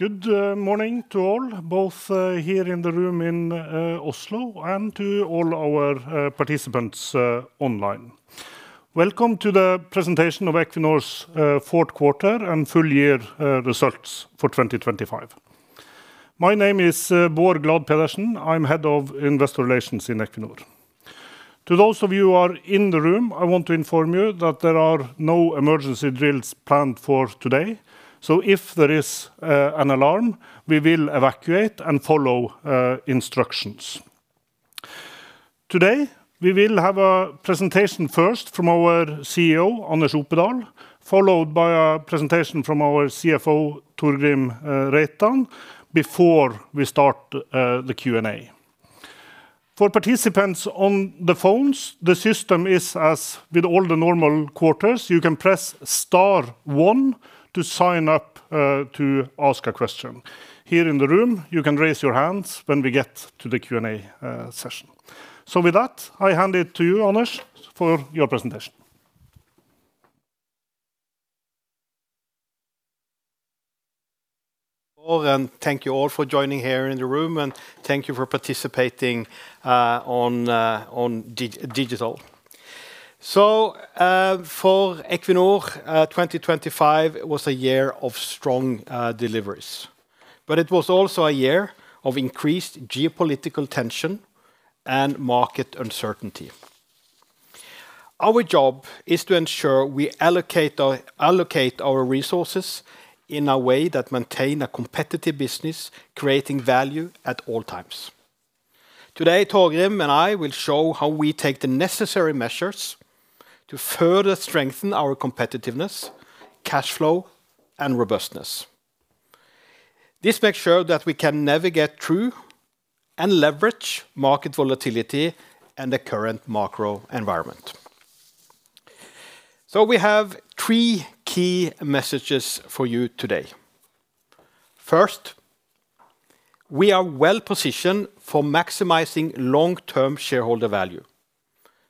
Good morning to all, both here in the room in Oslo, and to all our participants online. Welcome to the Presentation of Equinor's Fourth Quarter and Full Year Results for 2025. My name is Bård Glad Pedersen. I'm Head of Investor Relations in Equinor. To those of you who are in the room, I want to inform you that there are no emergency drills planned for today, so if there is an alarm, we will evacuate and follow instructions. Today, we will have a presentation first from our CEO, Anders Opedal, followed by a presentation from our CFO, Torgrim Reitan, before we start the Q&A. For participants on the phones, the system is as with all the normal quarters, you can press star one to sign up to ask a question. Here in the room, you can raise your hands when we get to the Q&A session. With that, I hand it to you, Anders, for your presentation. Oh, and thank you all for joining here in the room, and thank you for participating on digital. So, for Equinor, 2025 was a year of strong deliveries, but it was also a year of increased geopolitical tension and market uncertainty. Our job is to ensure we allocate our, allocate our resources in a way that maintain a competitive business, creating value at all times. Today, Torgrim and I will show how we take the necessary measures to further strengthen our competitiveness, cash flow, and robustness. This makes sure that we can navigate through and leverage market volatility and the current macro environment. So we have three key messages for you today. First, we are well positioned for maximizing long-term shareholder value.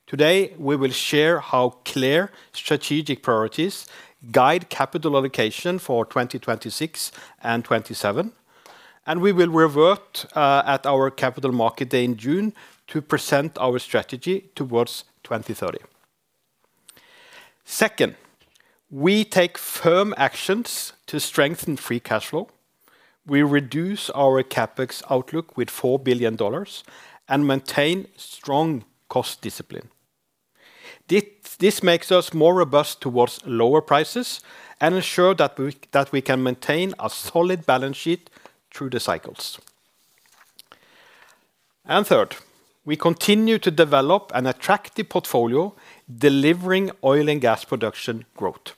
Today, we will share how clear strategic priorities guide capital allocation for 2026 and 2027, and we will revert at our Capital Markets Day in June to present our strategy towards 2030. Second, we take firm actions to strengthen free cash flow. We reduce our CapEx outlook with $4 billion, and maintain strong cost discipline. This makes us more robust towards lower prices and ensure that we can maintain a solid balance sheet through the cycles. And third, we continue to develop an attractive portfolio, delivering oil and gas production growth.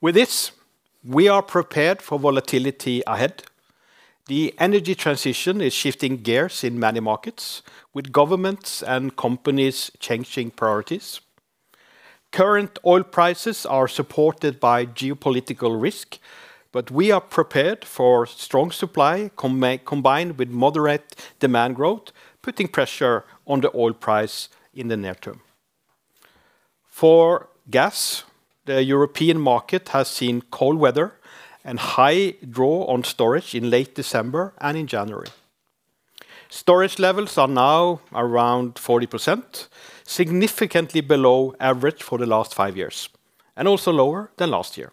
With this, we are prepared for volatility ahead. The energy transition is shifting gears in many markets, with governments and companies changing priorities. Current oil prices are supported by geopolitical risk, but we are prepared for strong supply combined with moderate demand growth, putting pressure on the oil price in the near term. For gas, the European market has seen cold weather and high draw on storage in late December and in January. Storage levels are now around 40%, significantly below average for the last five years, and also lower than last year.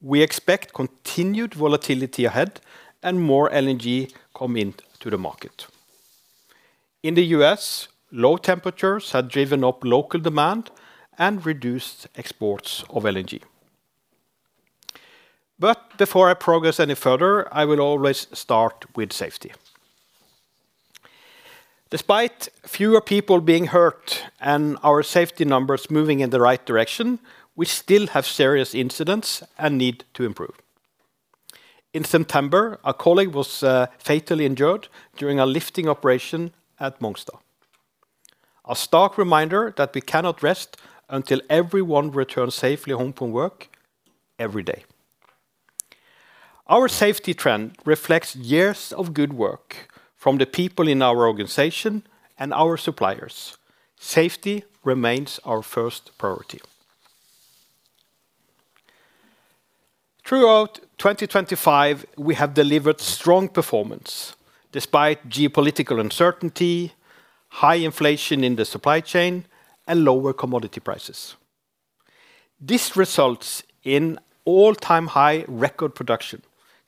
We expect continued volatility ahead and more LNG coming to the market. In the U.S., low temperatures have driven up local demand and reduced exports of LNG. But before I progress any further, I will always start with safety. Despite fewer people being hurt and our safety numbers moving in the right direction, we still have serious incidents and need to improve. In September, a colleague was fatally injured during a lifting operation at Mongstad. A stark reminder that we cannot rest until everyone returns safely home from work every day. Our safety trend reflects years of good work from the people in our organization and our suppliers. Safety remains our first priority. Throughout 2025, we have delivered strong performance, despite geopolitical uncertainty, high inflation in the supply chain, and lower commodity prices. This results in all-time high record production,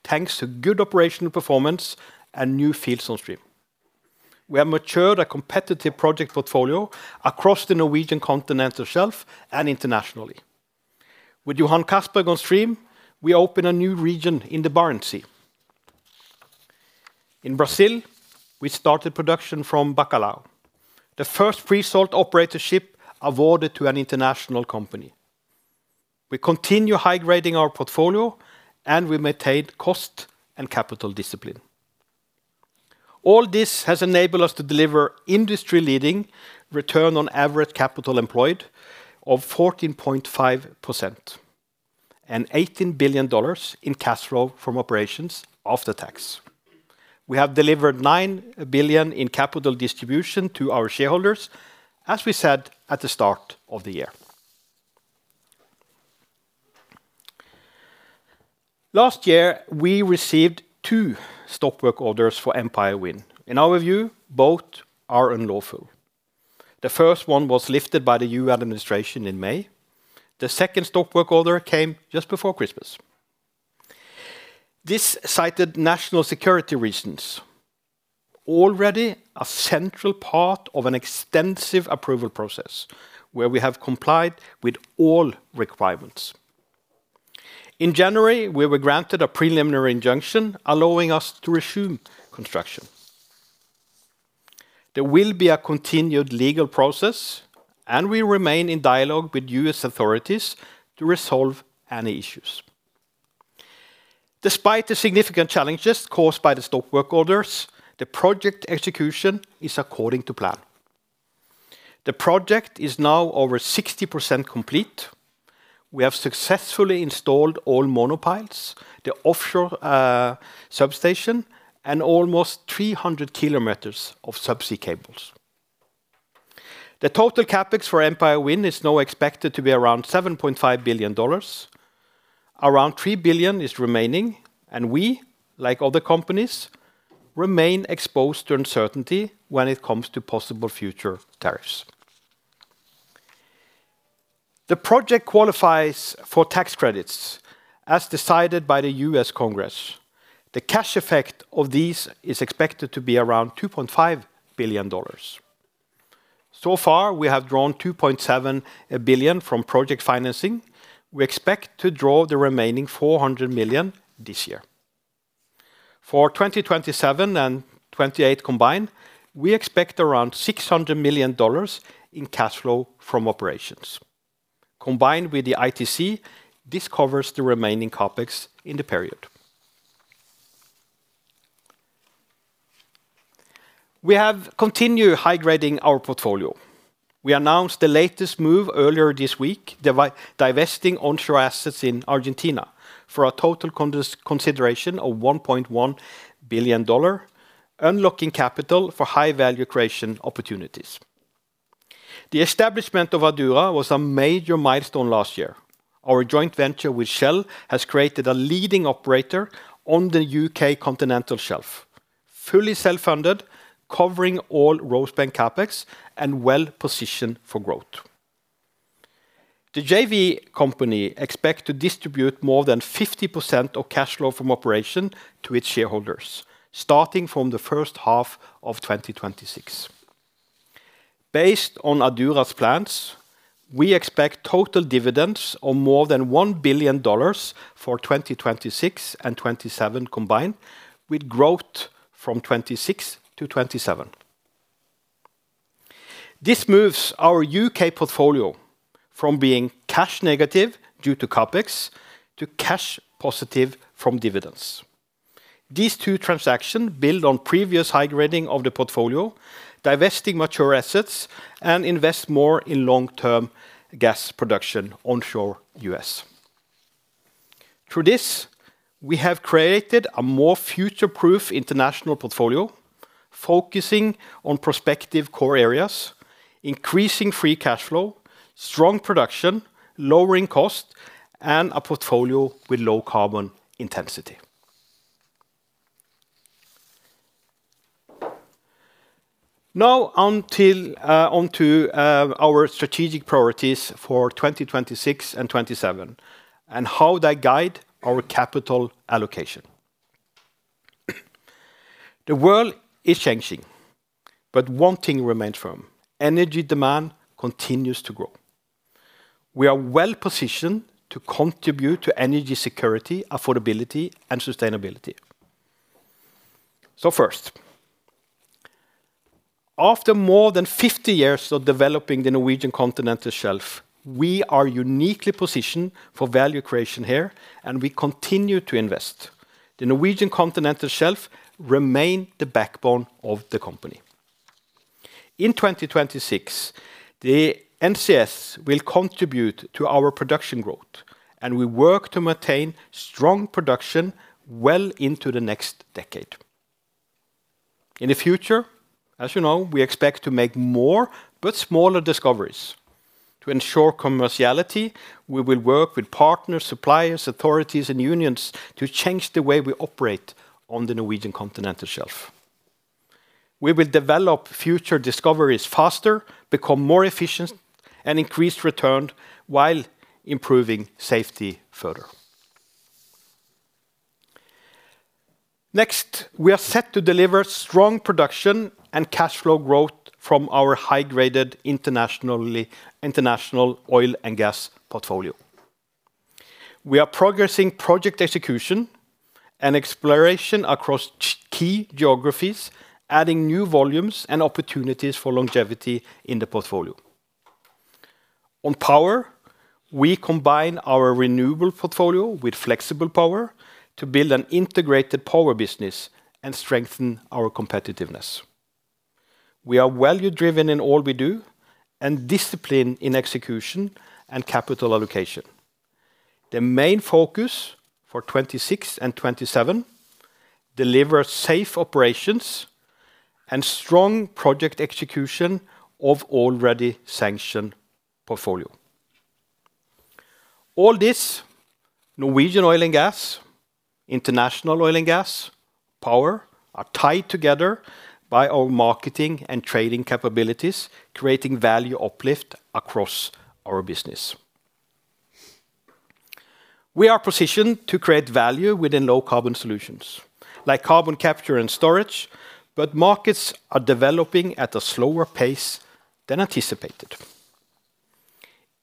thanks to good operational performance and new fields on stream. We have matured a competitive project portfolio across the Norwegian Continental Shelf and internationally. With Johan Castberg on stream, we open a new region in the Barents Sea. In Brazil, we started production from Bacalhau, the first pre-salt operatorship awarded to an international company. We continue high-grading our portfolio, and we maintain cost and capital discipline. All this has enabled us to deliver industry-leading return on average capital employed of 14.5%, and $18 billion in cash flow from operations after tax. We have delivered $9 billion in capital distribution to our shareholders, as we said at the start of the year. Last year, we received two stop work orders for Empire Wind. In our view, both are unlawful. The first one was lifted by the new administration in May. The second stop work order came just before Christmas. This cited national security reasons, already a central part of an extensive approval process, where we have complied with all requirements. In January, we were granted a preliminary injunction allowing us to resume construction. There will be a continued legal process, and we remain in dialogue with U.S. authorities to resolve any issues. Despite the significant challenges caused by the stop work orders, the project execution is according to plan. The project is now over 60% complete. We have successfully installed all monopiles, the offshore substation, and almost 300 km of subsea cables. The total CapEx for Empire Wind is now expected to be around $7.5 billion. Around $3 billion is remaining, and we, like other companies, remain exposed to uncertainty when it comes to possible future tariffs. The project qualifies for tax credits, as decided by the U.S. Congress. The cash effect of these is expected to be around $2.5 billion. So far, we have drawn $2.7 billion from project financing. We expect to draw the remaining $400 million this year. For 2027 and 2028 combined, we expect around $600 million in cash flow from operations. Combined with the ITC, this covers the remaining CapEx in the period. We have continued high-grading our portfolio. We announced the latest move earlier this week, divesting onshore assets in Argentina for a total consideration of $1.1 billion, unlocking capital for high value creation opportunities. The establishment of Adura was a major milestone last year. Our joint venture with Shell has created a leading operator on the U.K. Continental Shelf, fully self-funded, covering all Rosebank CapEx and well-positioned for growth. The JV company expect to distribute more than 50% of cash flow from operation to its shareholders, starting from the first half of 2026. Based on Adura's plans, we expect total dividends of more than $1 billion for 2026 and 2027 combined, with growth from 2026 to 2027. This moves our U.K. portfolio from being cash negative, due to CapEx, to cash positive from dividends. These two transactions build on previous high-grading of the portfolio, divesting mature assets, and invest more in long-term gas production onshore U.S. Through this, we have created a more future-proof international portfolio, focusing on prospective core areas, increasing free cash flow, strong production, lowering cost, and a portfolio with low carbon intensity. Now, onto, our strategic priorities for 2026 and 2027, and how they guide our capital allocation. The world is changing, but one thing remains firm: energy demand continues to grow. We are well positioned to contribute to energy security, affordability, and sustainability. So first, after more than 50 years of developing the Norwegian Continental Shelf, we are uniquely positioned for value creation here, and we continue to invest. The Norwegian Continental Shelf remains the backbone of the company. In 2026, the NCS will contribute to our production growth, and we work to maintain strong production well into the next decade. In the future, as you know, we expect to make more but smaller discoveries. To ensure commerciality, we will work with partners, suppliers, authorities, and unions to change the way we operate on the Norwegian Continental Shelf. We will develop future discoveries faster, become more efficient, and increase return while improving safety further. Next, we are set to deliver strong production and cash flow growth from our high-graded international oil and gas portfolio. We are progressing project execution and exploration across key geographies, adding new volumes and opportunities for longevity in the portfolio. On power, we combine our renewable portfolio with flexible power to build an integrated power business and strengthen our competitiveness. We are value-driven in all we do, and disciplined in execution and capital allocation. The main focus for 2026 and 2027, deliver safe operations and strong project execution of already sanctioned portfolio. All this, Norwegian oil and gas, international oil and gas, power, are tied together by our marketing and trading capabilities, creating value uplift across our business. We are positioned to create value within low-carbon solutions, like carbon capture and storage, but markets are developing at a slower pace than anticipated.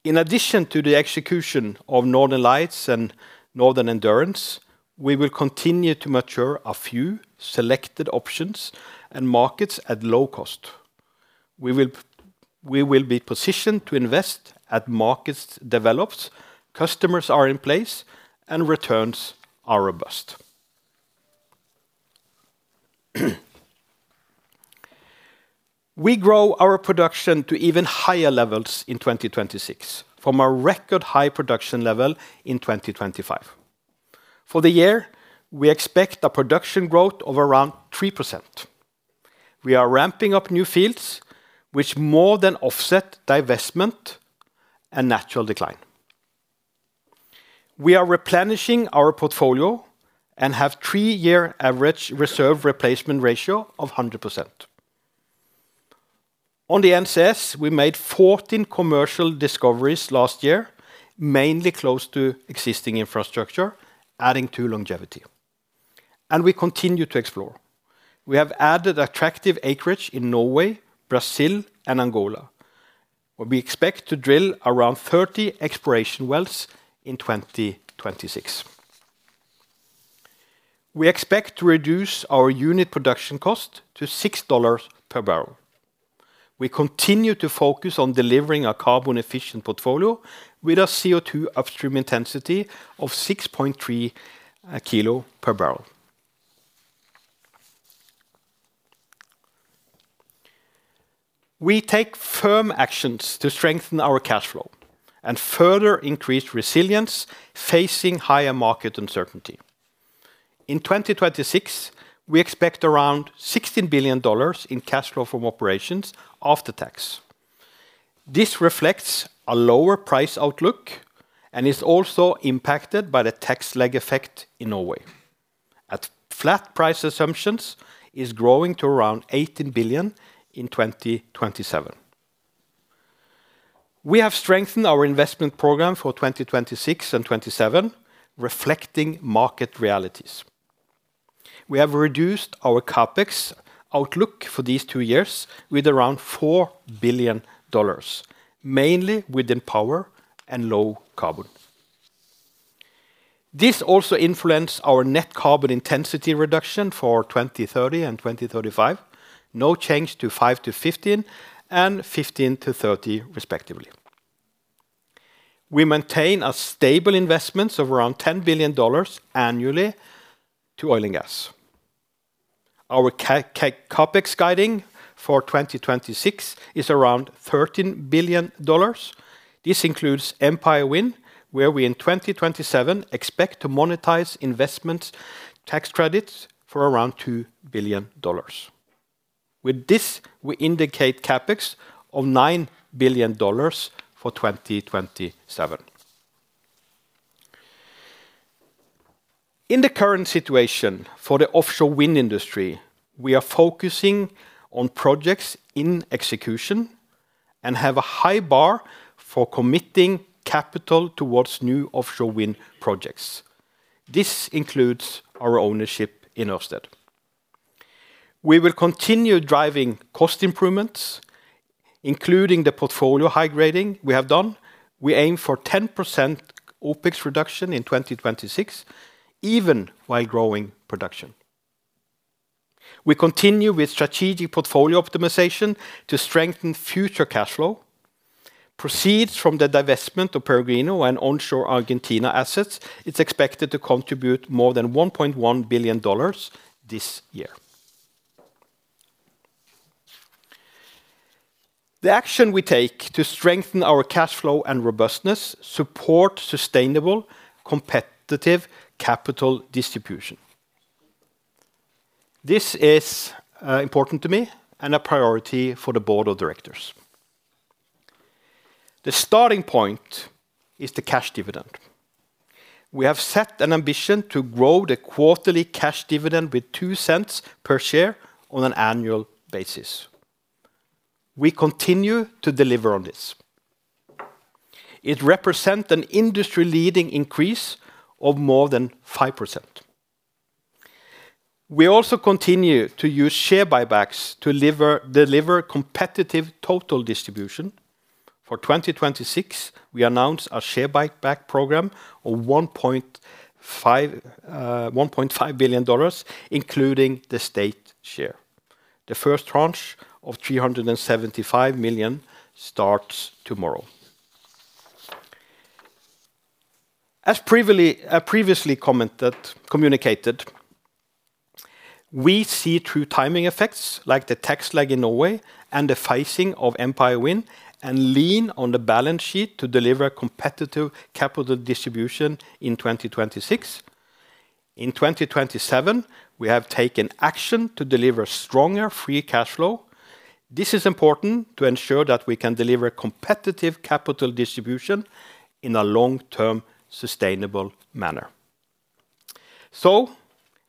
In addition to the execution of Northern Lights and Northern Endurance, we will continue to mature a few selected options and markets at low cost. We will be positioned to invest as markets develops, customers are in place, and returns are robust. We grow our production to even higher levels in 2026, from a record high production level in 2025. For the year, we expect a production growth of around 3%. We are ramping up new fields, which more than offset divestment and natural decline. We are replenishing our portfolio and have three-year average reserve replacement ratio of 100%. On the NCS, we made 14 commercial discoveries last year, mainly close to existing infrastructure, adding to longevity, and we continue to explore. We have added attractive acreage in Norway, Brazil, and Angola. We expect to drill around 30 exploration wells in 2026. We expect to reduce our unit production cost to $6 per barrel. We continue to focus on delivering a carbon-efficient portfolio with a CO₂ upstream intensity of 6.3 kg per barrel. We take firm actions to strengthen our cash flow and further increase resilience facing higher market uncertainty. In 2026, we expect around $16 billion in cash flow from operations after tax. This reflects a lower price outlook and is also impacted by the tax lag effect in Norway. At flat price assumptions, it's growing to around $18 billion in 2027. We have strengthened our investment program for 2026 and 2027, reflecting market realities. We have reduced our CapEx outlook for these two years with around $4 billion, mainly within power and low carbon. This also influence our net carbon intensity reduction for 2030 and 2035, no change to 5%-15% and 15%-30% respectively. We maintain a stable investments of around $10 billion annually to oil and gas. Our CapEx guiding for 2026 is around $13 billion. This includes Empire Wind, where we, in 2027, expect to monetize investment tax credits for around $2 billion. With this, we indicate CapEx of $9 billion for 2027. In the current situation for the offshore wind industry, we are focusing on projects in execution and have a high bar for committing capital towards new offshore wind projects. This includes our ownership in Ørsted. We will continue driving cost improvements, including the portfolio high grading we have done. We aim for 10% OpEx reduction in 2026, even while growing production. We continue with strategic portfolio optimization to strengthen future cash flow. Proceeds from the divestment of Peregrino and onshore Argentina assets, it's expected to contribute more than $1.1 billion this year. The action we take to strengthen our cash flow and robustness support sustainable, competitive capital distribution. This is important to me and a priority for the Board of Directors. The starting point is the cash dividend. We have set an ambition to grow the quarterly cash dividend with $0.02 per share on an annual basis. We continue to deliver on this. It represent an industry-leading increase of more than 5%. We also continue to use share buybacks to deliver competitive total distribution. For 2026, we announced a share buyback program of $1.5 billion, including the state share. The first tranche of $375 million starts tomorrow. As previously commented, communicated, we see through timing effects like the tax lag in Norway and the phasing of Empire Wind, and lean on the balance sheet to deliver competitive capital distribution in 2026. In 2027, we have taken action to deliver stronger free cash flow. This is important to ensure that we can deliver competitive capital distribution in a long-term, sustainable manner. So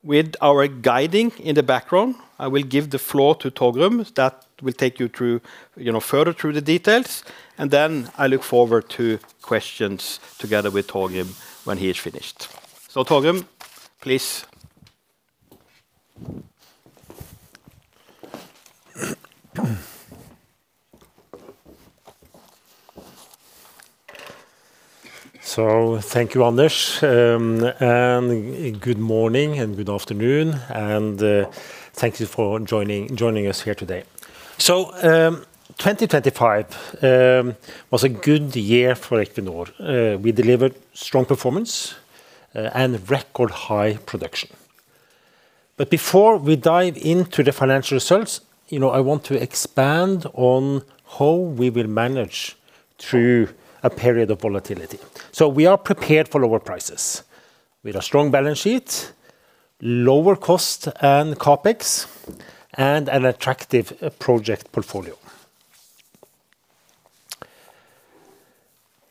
with our guiding in the background, I will give the floor to Torgrim, that will take you through, you know, further through the details, and then I look forward to questions together with Torgrim when he is finished. So Torgrim, please. So thank you, Anders, and good morning, and good afternoon, and, thank you for joining us here today. So, 2025 was a good year for Equinor. We delivered strong performance, and record high production. But before we dive into the financial results, you know, I want to expand on how we will manage through a period of volatility. So we are prepared for lower prices. With a strong balance sheet, lower cost and CapEx, and an attractive, project portfolio.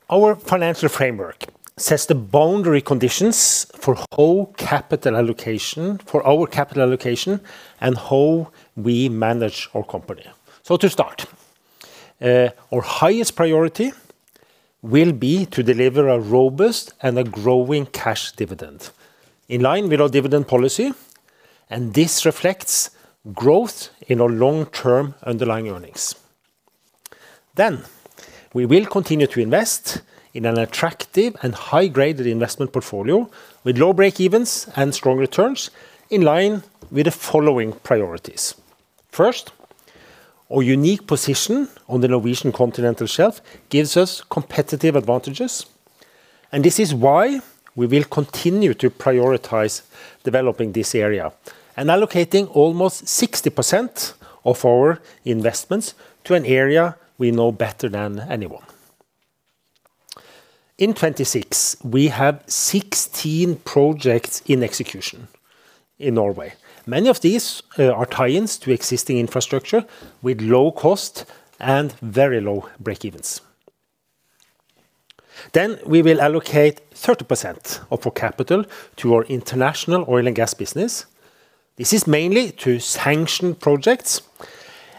Our financial framework sets the boundary conditions for how capital allocation, for our capital allocation, and how we manage our company. So to start, our highest priority will be to deliver a robust and a growing cash dividend in line with our dividend policy, and this reflects growth in our long-term underlying earnings. Then, we will continue to invest in an attractive and high-graded investment portfolio, with low breakevens and strong returns, in line with the following priorities. First, our unique position on the Norwegian Continental Shelf gives us competitive advantages, and this is why we will continue to prioritize developing this area and allocating almost 60% of our investments to an area we know better than anyone. In 2026, we have 16 projects in execution in Norway. Many of these are tie-ins to existing infrastructure, with low cost and very low breakevens. Then, we will allocate 30% of our capital to our international oil and gas business. This is mainly to sanction projects,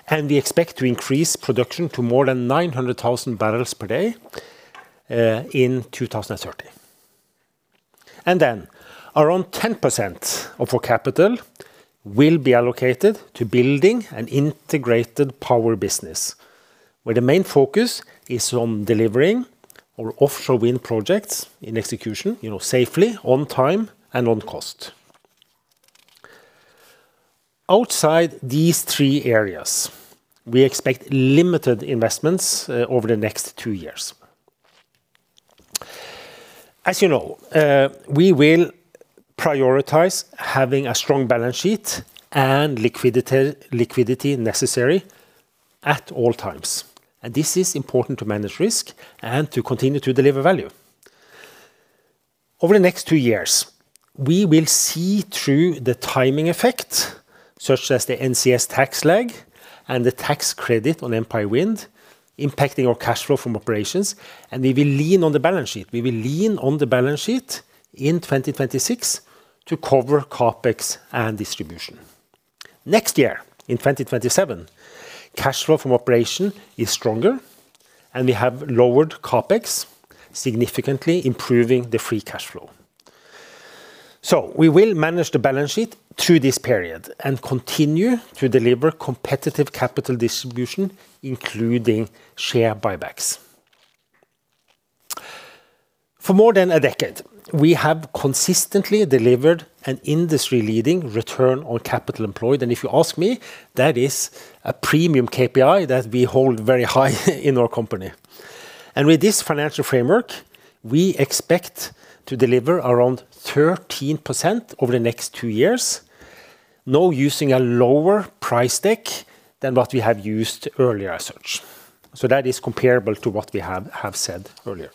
and we expect to increase production to more than 900,000 barrels per day in 2030. Then, around 10% of our capital will be allocated to building an integrated power business, where the main focus is on delivering our offshore wind projects in execution, you know, safely, on time, and on cost. Outside these three areas, we expect limited investments over the next two years. As you know, we will prioritize having a strong balance sheet and liquidity, liquidity necessary at all times, and this is important to manage risk and to continue to deliver value. Over the next two years, we will see through the timing effect, such as the NCS tax lag and the tax credit on Empire Wind, impacting our cash flow from operations, and we will lean on the balance sheet. We will lean on the balance sheet in 2026 to cover CapEx and distribution. Next year, in 2027, cash flow from operation is stronger, and we have lowered CapEx, significantly improving the free cash flow. So we will manage the balance sheet through this period and continue to deliver competitive capital distribution, including share buybacks. For more than a decade, we have consistently delivered an industry-leading return on capital employed, and if you ask me, that is a premium KPI that we hold very high in our company. And with this financial framework, we expect to deliver around 13% over the next two years, now using a lower price deck than what we have used earlier as such, so that is comparable to what we have, have said earlier.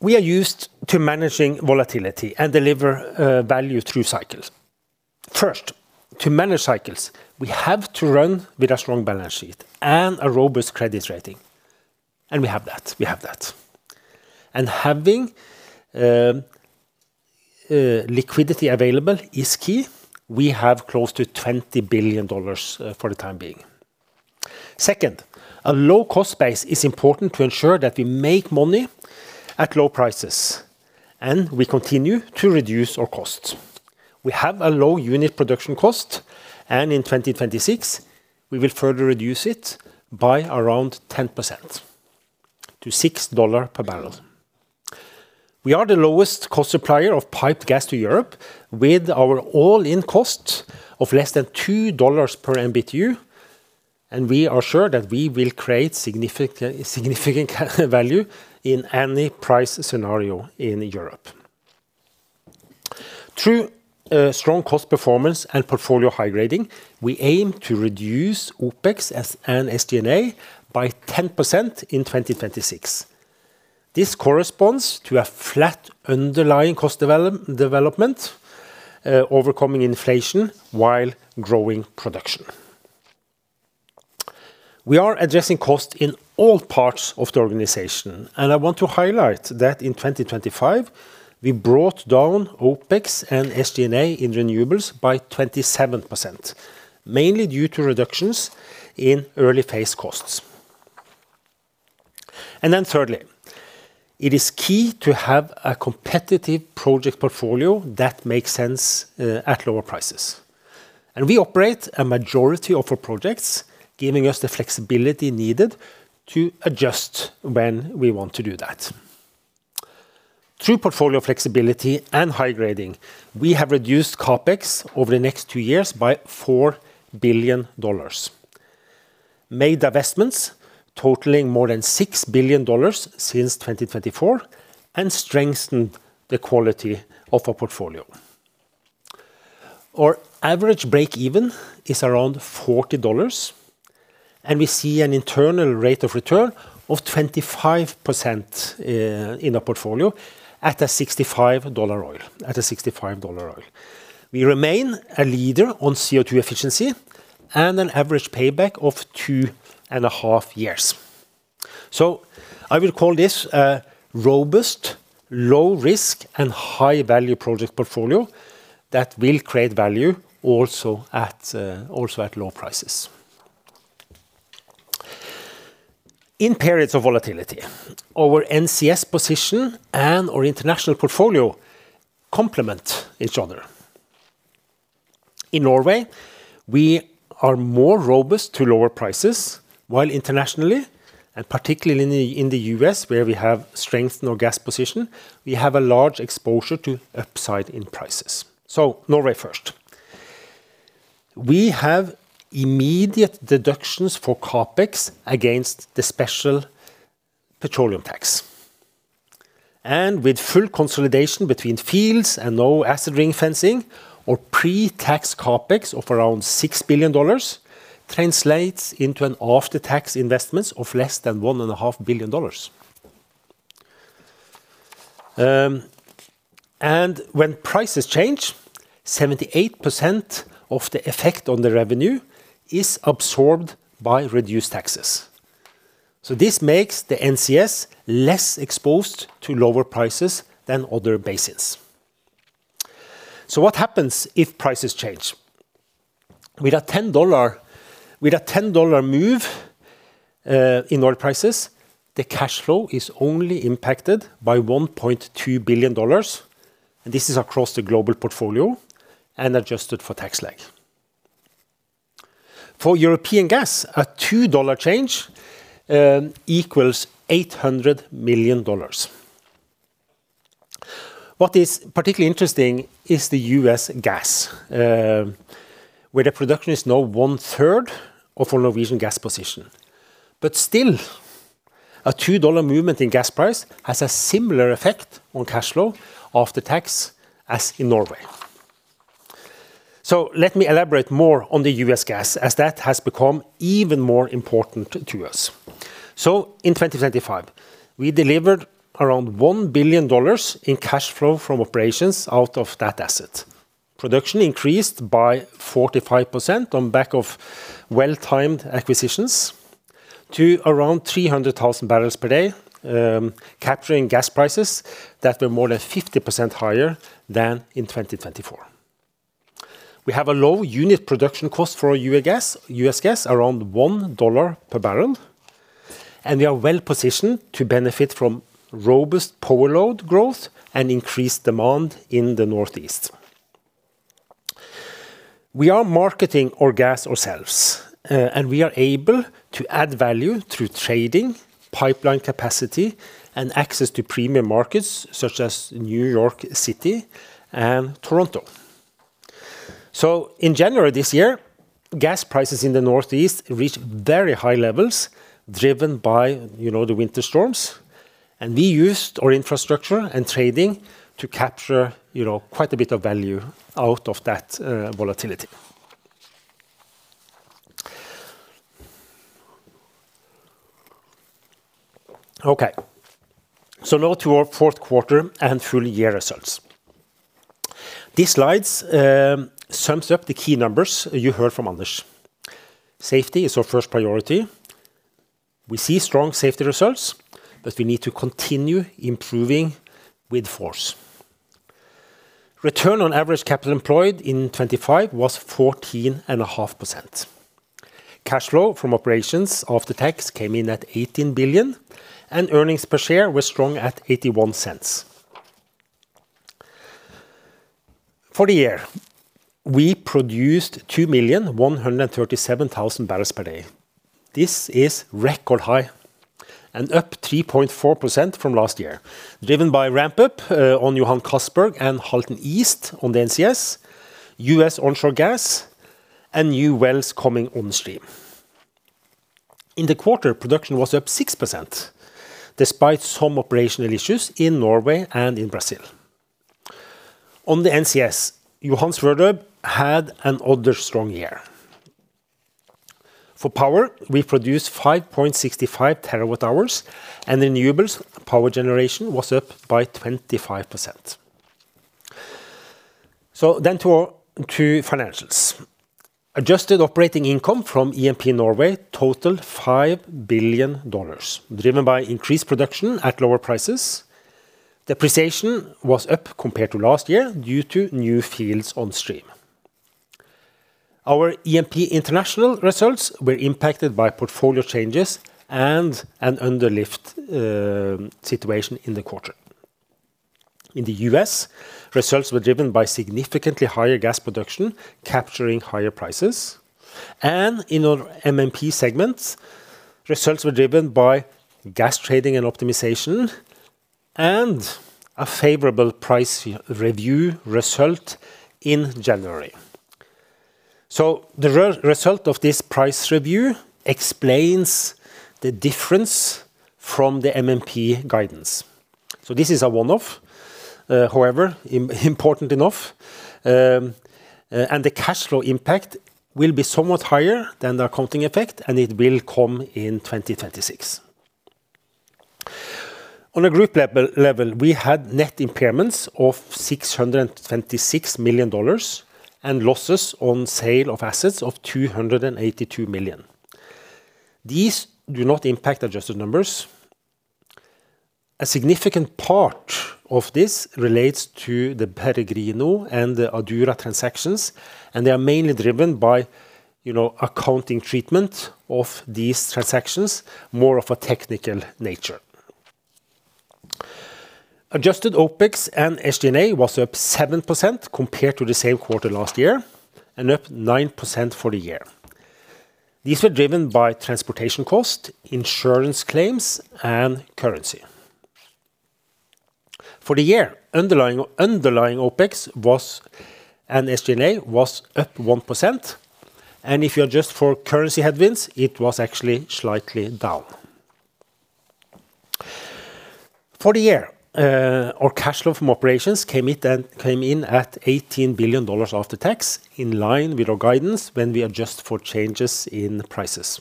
We are used to managing volatility and deliver value through cycles. First, to manage cycles, we have to run with a strong balance sheet and a robust credit rating, and we have that. We have that. Having liquidity available is key. We have close to $20 billion for the time being. Second, a low-cost base is important to ensure that we make money at low prices, and we continue to reduce our costs. We have a low unit production cost, and in 2026, we will further reduce it by around 10%, to $6 per barrel. We are the lowest cost supplier of piped gas to Europe, with our all-in cost of less than $2 per MMBtu, and we are sure that we will create significant, significant value in any price scenario in Europe. Through strong cost performance and portfolio high grading, we aim to reduce OpEx and SG&A by 10% in 2026. This corresponds to a flat underlying cost development, overcoming inflation while growing production. We are addressing cost in all parts of the organization, and I want to highlight that in 2025, we brought down OpEx and SG&A in renewables by 27%, mainly due to reductions in early phase costs. And then thirdly, it is key to have a competitive project portfolio that makes sense at lower prices. And we operate a majority of our projects, giving us the flexibility needed to adjust when we want to do that. Through portfolio flexibility and high grading, we have reduced CapEx over the next two years by $4 billion, made investments totaling more than $6 billion since 2024, and strengthened the quality of our portfolio. Our average breakeven is around $40, and we see an internal rate of return of 25%, in our portfolio at a $65 oil, at a $65 oil. We remain a leader on CO2 efficiency and an average payback of two and a half years. So I will call this a robust, low-risk, and high-value project portfolio that will create value also at, also at low prices. In periods of volatility, our NCS position and our international portfolio complement each other. In Norway, we are more robust to lower prices, while internationally, and particularly in the, in the U.S., where we have strengthened our gas position, we have a large exposure to upside in prices. So Norway first. We have immediate deductions for CapEx against the special petroleum tax. And with full consolidation between fields and no asset ring-fencing or pre-tax CapEx of around $6 billion translates into an after-tax investments of less than $1.5 billion. And when prices change, 78% of the effect on the revenue is absorbed by reduced taxes. So this makes the NCS less exposed to lower prices than other basins. So what happens if prices change? With a $10, with a $10 move, in oil prices, the cash flow is only impacted by $1.2 billion, and this is across the global portfolio and adjusted for tax lag. For European gas, a $2 change, equals $800 million. What is particularly interesting is the U.S. gas, where the production is now one third of our Norwegian gas position. But still, a $2 movement in gas price has a similar effect on cash flow after tax as in Norway. So let me elaborate more on the U.S. gas, as that has become even more important to us. So in 2025, we delivered around $1 billion in cash flow from operations out of that asset. Production increased by 45% on back of well-timed acquisitions to around 300,000 barrels per day, capturing gas prices that were more than 50% higher than in 2024. We have a low unit production cost for our U.S. gas, U.S. gas, around $1 per barrel, and we are well positioned to benefit from robust power load growth and increased demand in the Northeast. We are marketing our gas ourselves, and we are able to add value through trading, pipeline capacity, and access to premium markets such as New York City and Toronto. So in January this year, gas prices in the Northeast reached very high levels, driven by, you know, the winter storms, and we used our infrastructure and trading to capture, you know, quite a bit of value out of that, volatility. Okay, so now to our fourth quarter and full year results. These slides sums up the key numbers you heard from others. Safety is our first priority. We see strong safety results, but we need to continue improving with force. Return on average capital employed in 2025 was 14.5%. Cash flow from operations after tax came in at $18 billion, and earnings per share were strong at $0.81. For the year, we produced 2,137,000 barrels per day. This is record high and up 3.4% from last year, driven by ramp up on Johan Castberg and Halten East on the NCS, U.S. onshore gas, and new wells coming on stream. In the quarter, production was up 6%, despite some operational issues in Norway and in Brazil. On the NCS, Johan Sverdrup had another strong year. For power, we produced 5.65 terawatt-hours, and renewables power generation was up by 25%. So then to our financials. Adjusted operating income from E&P Norway totaled $5 billion, driven by increased production at lower prices. Depreciation was up compared to last year due to new fields on stream. Our E&P international results were impacted by portfolio changes and an underlift situation in the quarter. In the U.S., results were driven by significantly higher gas production, capturing higher prices, and in our MMP segments, results were driven by gas trading and optimization and a favorable price review result in January. So the result of this price review explains the difference from the MMP guidance. So this is a one-off, however, important enough, and the cash flow impact will be somewhat higher than the accounting effect, and it will come in 2026. On a group level, we had net impairments of $626 million and losses on sale of assets of $282 million. These do not impact adjusted numbers. A significant part of this relates to the Peregrino and the Adura transactions, and they are mainly driven by, you know, accounting treatment of these transactions, more of a technical nature. Adjusted OpEx and SG&A was up 7% compared to the same quarter last year, and up 9% for the year. These were driven by transportation cost, insurance claims, and currency. For the year, underlying OpEx was--SG&A was up 1%, and if you adjust for currency headwinds, it was actually slightly down. For the year, our cash flow from operations came in at $18 billion after tax, in line with our guidance when we adjust for changes in prices.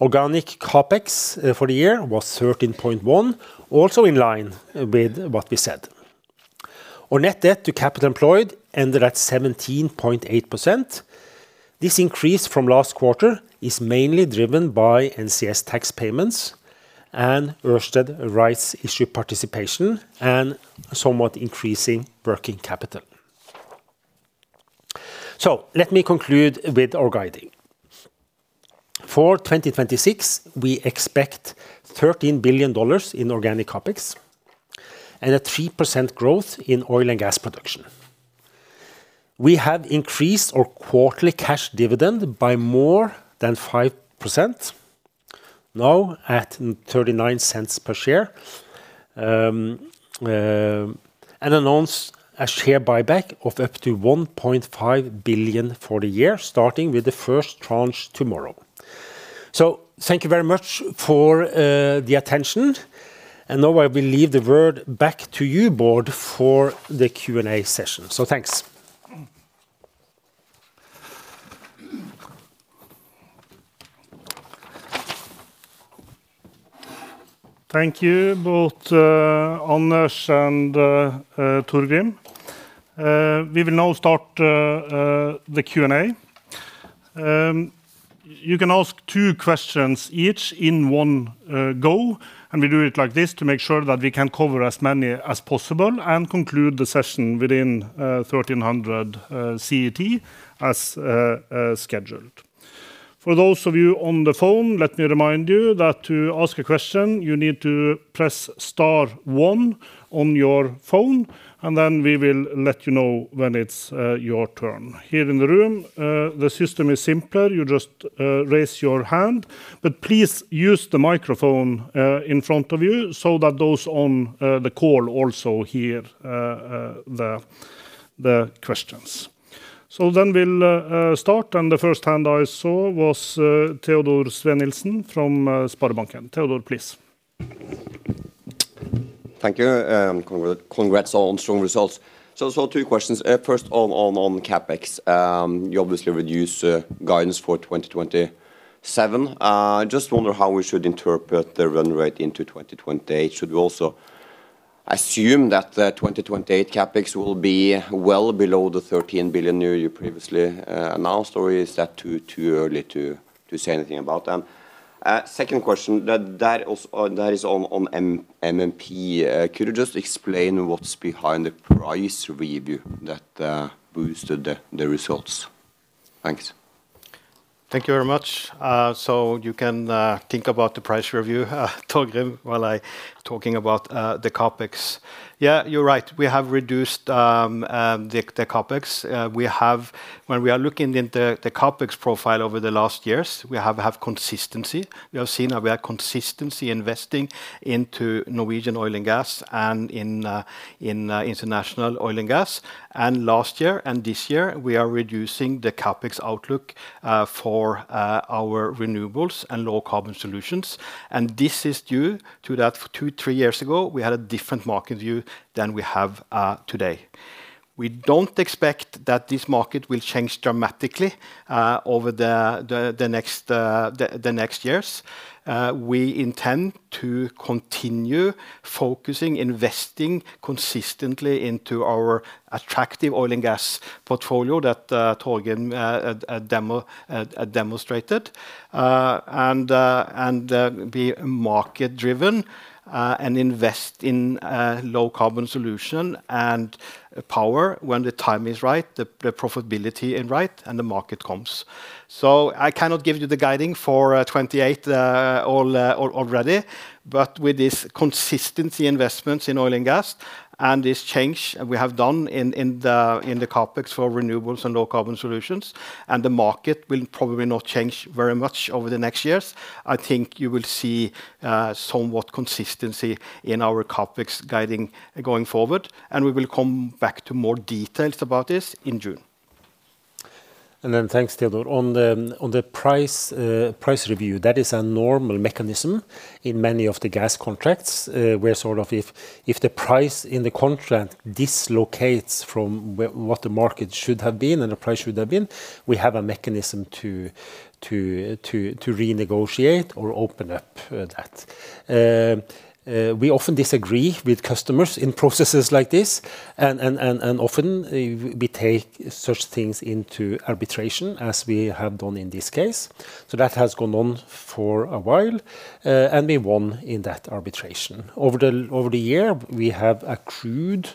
Organic CapEx for the year was $13.1 billion, also in line with what we said. Our net debt to capital employed ended at 17.8%. This increase from last quarter is mainly driven by NCS tax payments and Ørsted rights issue participation and somewhat increasing working capital. So let me conclude with our guidance. For 2026, we expect $13 billion in organic CapEx and a 3% growth in oil and gas production. We have increased our quarterly cash dividend by more than 5%, now at $0.39 per share. Announced a share buyback of up to $1.5 billion for the year, starting with the first tranche tomorrow. Thank you very much for the attention, and now I will leave the word back to you, Bård, for the Q&A session. Thanks. Thank you, both, Anders and Torgrim. We will now start the Q&A. You can ask two questions each in one go, and we do it like this to make sure that we can cover as many as possible and conclude the session within 1:00 P.M. CET, as scheduled. For those of you on the phone, let me remind you that to ask a question, you need to press star one on your phone, and then we will let you know when it's your turn. Here in the room, the system is simpler. You just raise your hand, but please use the microphone in front of you so that those on the call also hear the questions. So then we'll start, and the first hand I saw was Teodor Sveen-Nilsen from SpareBank 1 Markets. Teodor, please. Thank you. Congrats on strong results. So sort of two questions. First on CapEx. You obviously reduced guidance for 2027. Just wonder how we should interpret the run rate into 2028. Should we also assume that the 2028 CapEx will be well below the $13 billion you previously announced, or is that too early to say anything about? And second question, that also--that is on MMP. Could you just explain what's behind the price review that boosted the results? Thanks. Thank you very much. So you can think about the price review, Torgrim, while I talking about the CapEx. Yeah, you're right, we have reduced the CapEx. We have, when we are looking in the CapEx profile over the last years, we have consistency. We have seen a real consistency investing into Norwegian oil and gas, and in international oil and gas. And last year, and this year, we are reducing the CapEx outlook for our renewables and low-carbon solutions, and this is due to that two-three years ago, we had a different market view than we have today. We don't expect that this market will change dramatically over the next years. We intend to continue focusing, investing consistently into our attractive oil and gas portfolio that Torgrim demonstrated. And be market driven, and invest in low-carbon solution and power when the time is right, the profitability is right, and the market comes. So I cannot give you the guidance for 2028 already, but with this consistent investments in oil and gas and this change we have done in the CapEx for renewables and low-carbon solutions, and the market will probably not change very much over the next years. I think you will see somewhat consistent in our CapEx guidance going forward, and we will come back to more details about this in June. And then thanks, Teodor. On the price review, that is a normal mechanism in many of the gas contracts, where sort of if the price in the contract dislocates from what the market should have been, and the price should have been, we have a mechanism to renegotiate or open up that. We often disagree with customers in processes like this, and often we take such things into arbitration, as we have done in this case. So that has gone on for a while, and we won in that arbitration. Over the year, we have accrued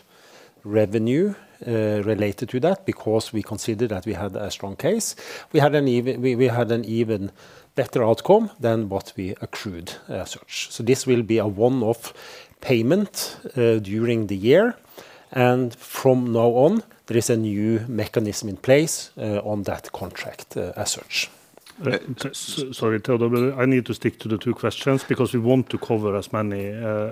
revenue related to that because we considered that we had a strong case. We had an even better outcome than what we accrued, as such. This will be a one-off payment during the year, and from now on, there is a new mechanism in place on that contract as such. Sorry, Teodor, I need to stick to the two questions because we want to cover as many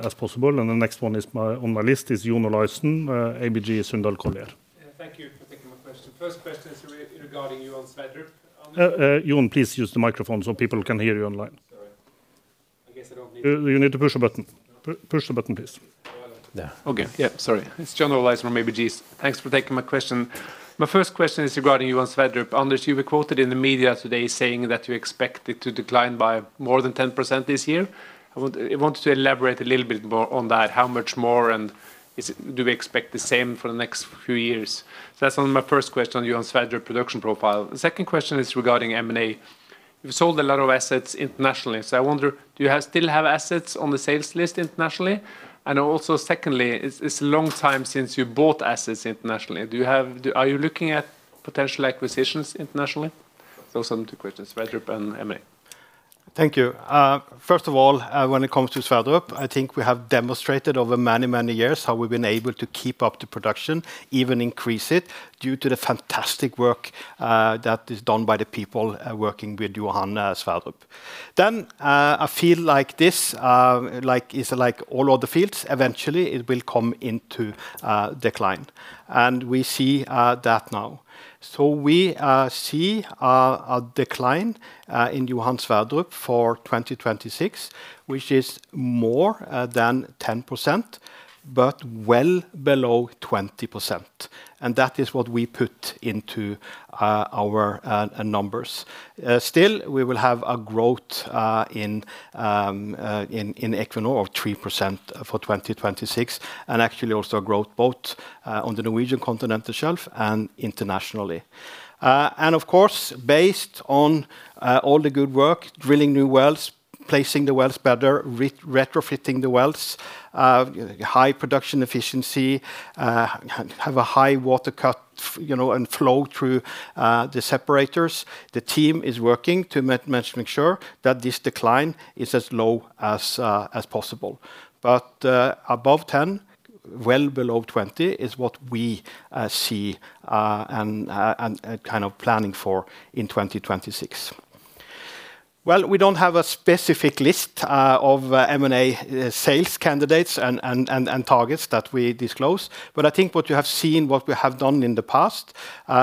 as possible, and the next one on my list is John Olaisen, ABG Sundal Collier. Yeah, thank you for taking my question. First question is regarding you on Sverdrup-- Jon, please use the microphone so people can hear you online. Sorry. I guess I don't need-- You need to push a button. Push the button, please. Yeah. Okay. Yeah, sorry. It's John Olaisen from ABG. Thanks for taking my question. My first question is regarding Johan Sverdrup. Anders, you were quoted in the media today saying that you expect it to decline by more than 10% this year. I would—I want you to elaborate a little bit more on that. How much more, and is it—do we expect the same for the next few years? So that's only my first question on Johan Sverdrup production profile. The second question is regarding M&A. You've sold a lot of assets internationally, so I wonder, do you have, still have assets on the sales list internationally? And also, secondly, it's, it's a long time since you bought assets internationally. Do you have... Do—Are you looking at potential acquisitions internationally? Those are the two questions, Johan Sverdrup and M&A. Thank you. First of all, when it comes to Sverdrup, I think we have demonstrated over many, many years how we've been able to keep up the production, even increase it, due to the fantastic work that is done by the people working with Johan Sverdrup. Then, a field like this, like, is like all other fields. Eventually, it will come into decline, and we see that now. So we see a decline in Johan Sverdrup for 2026, which is more than 10%, but well below 20%, and that is what we put into our numbers. Still, we will have a growth in Equinor of 3% for 2026, and actually also a growth both on the Norwegian Continental Shelf and internationally. And of course, based on all the good work, drilling new wells, placing the wells better, retrofitting the wells, high production efficiency, have a high water cut, you know, and flow through the separators. The team is working to make sure that this decline is as low as possible. But above 10%, well below 20%, is what we see and kind of planning for in 2026. Well, we don't have a specific list of M&A sales candidates and targets that we disclose, but I think what you have seen, what we have done in the past,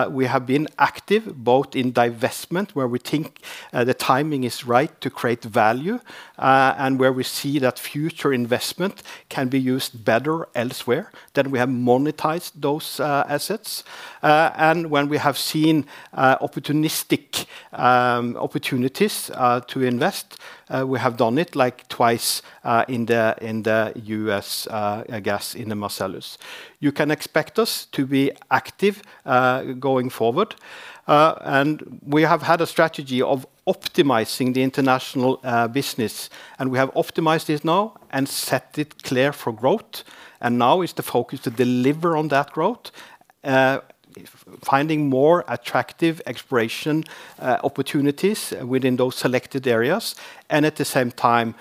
we have been active both in divestment, where we think the timing is right to create value, and where we see that future investment can be used better elsewhere. Then we have monetized those assets, and when we have seen opportunistic opportunities to invest, we have done it, like twice, in the in the U.S. gas in the Marcellus. You can expect us to be active going forward. And we have had a strategy of optimizing the international business, and we have optimized it now and set it clear for growth, and now is the focus to deliver on that growth and finding more attractive exploration opportunities within those selected areas, and at the same time,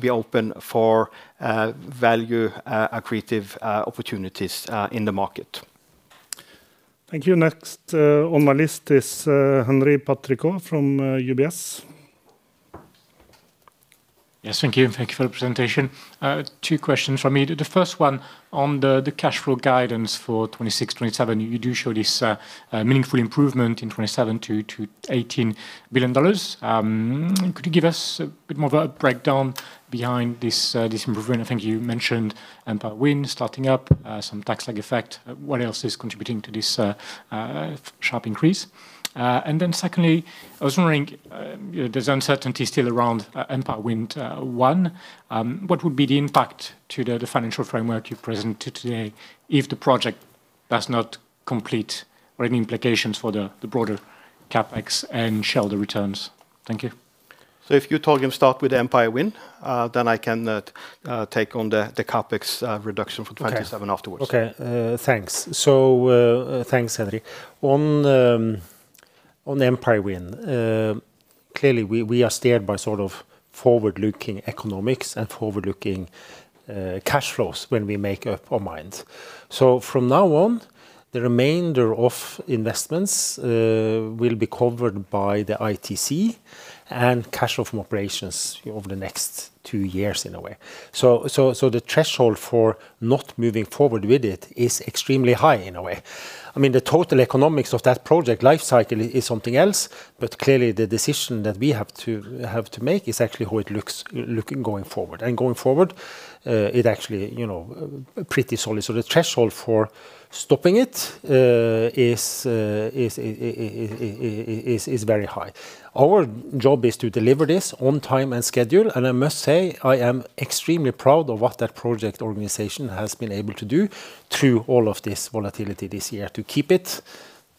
be open for value accretive opportunities in the market. Thank you. Next, on my list is, Henri Patricot from, UBS. Yes, thank you, and thank you for the presentation. Two questions from me. The first one on the cash flow guidance for 2026, 2027. You do show this meaningful improvement in 2027 to $18 billion. Could you give us a bit more of a breakdown behind this improvement? I think you mentioned Empire Wind starting up, some tax leg effect. What else is contributing to this sharp increase? And then secondly, I was wondering, there's uncertainty still around Empire Wind 1. What would be the impact to the financial framework you presented today if the project does not complete, or any implications for the broader CapEx and shareholder returns? Thank you. If you told him, start with Empire Wind, then I can take on the CapEx reduction for 2027 afterwards. Okay, thanks. So, thanks, Henry. On Empire Wind, clearly, we are steered by sort of forward-looking economics and forward-looking cash flows when we make up our minds. So from now on, the remainder of investments will be covered by the ITC and cash flow from operations over the next two years, in a way. So the threshold for not moving forward with it is extremely high, in a way. I mean, the total economics of that project life cycle is something else, but clearly the decision that we have to make is actually how it looks looking going forward. And going forward, it actually, you know, pretty solid. So the threshold for stopping it is very high. Our job is to deliver this on time and schedule, and I must say, I am extremely proud of what that project organization has been able to do through all of this volatility this year, to keep it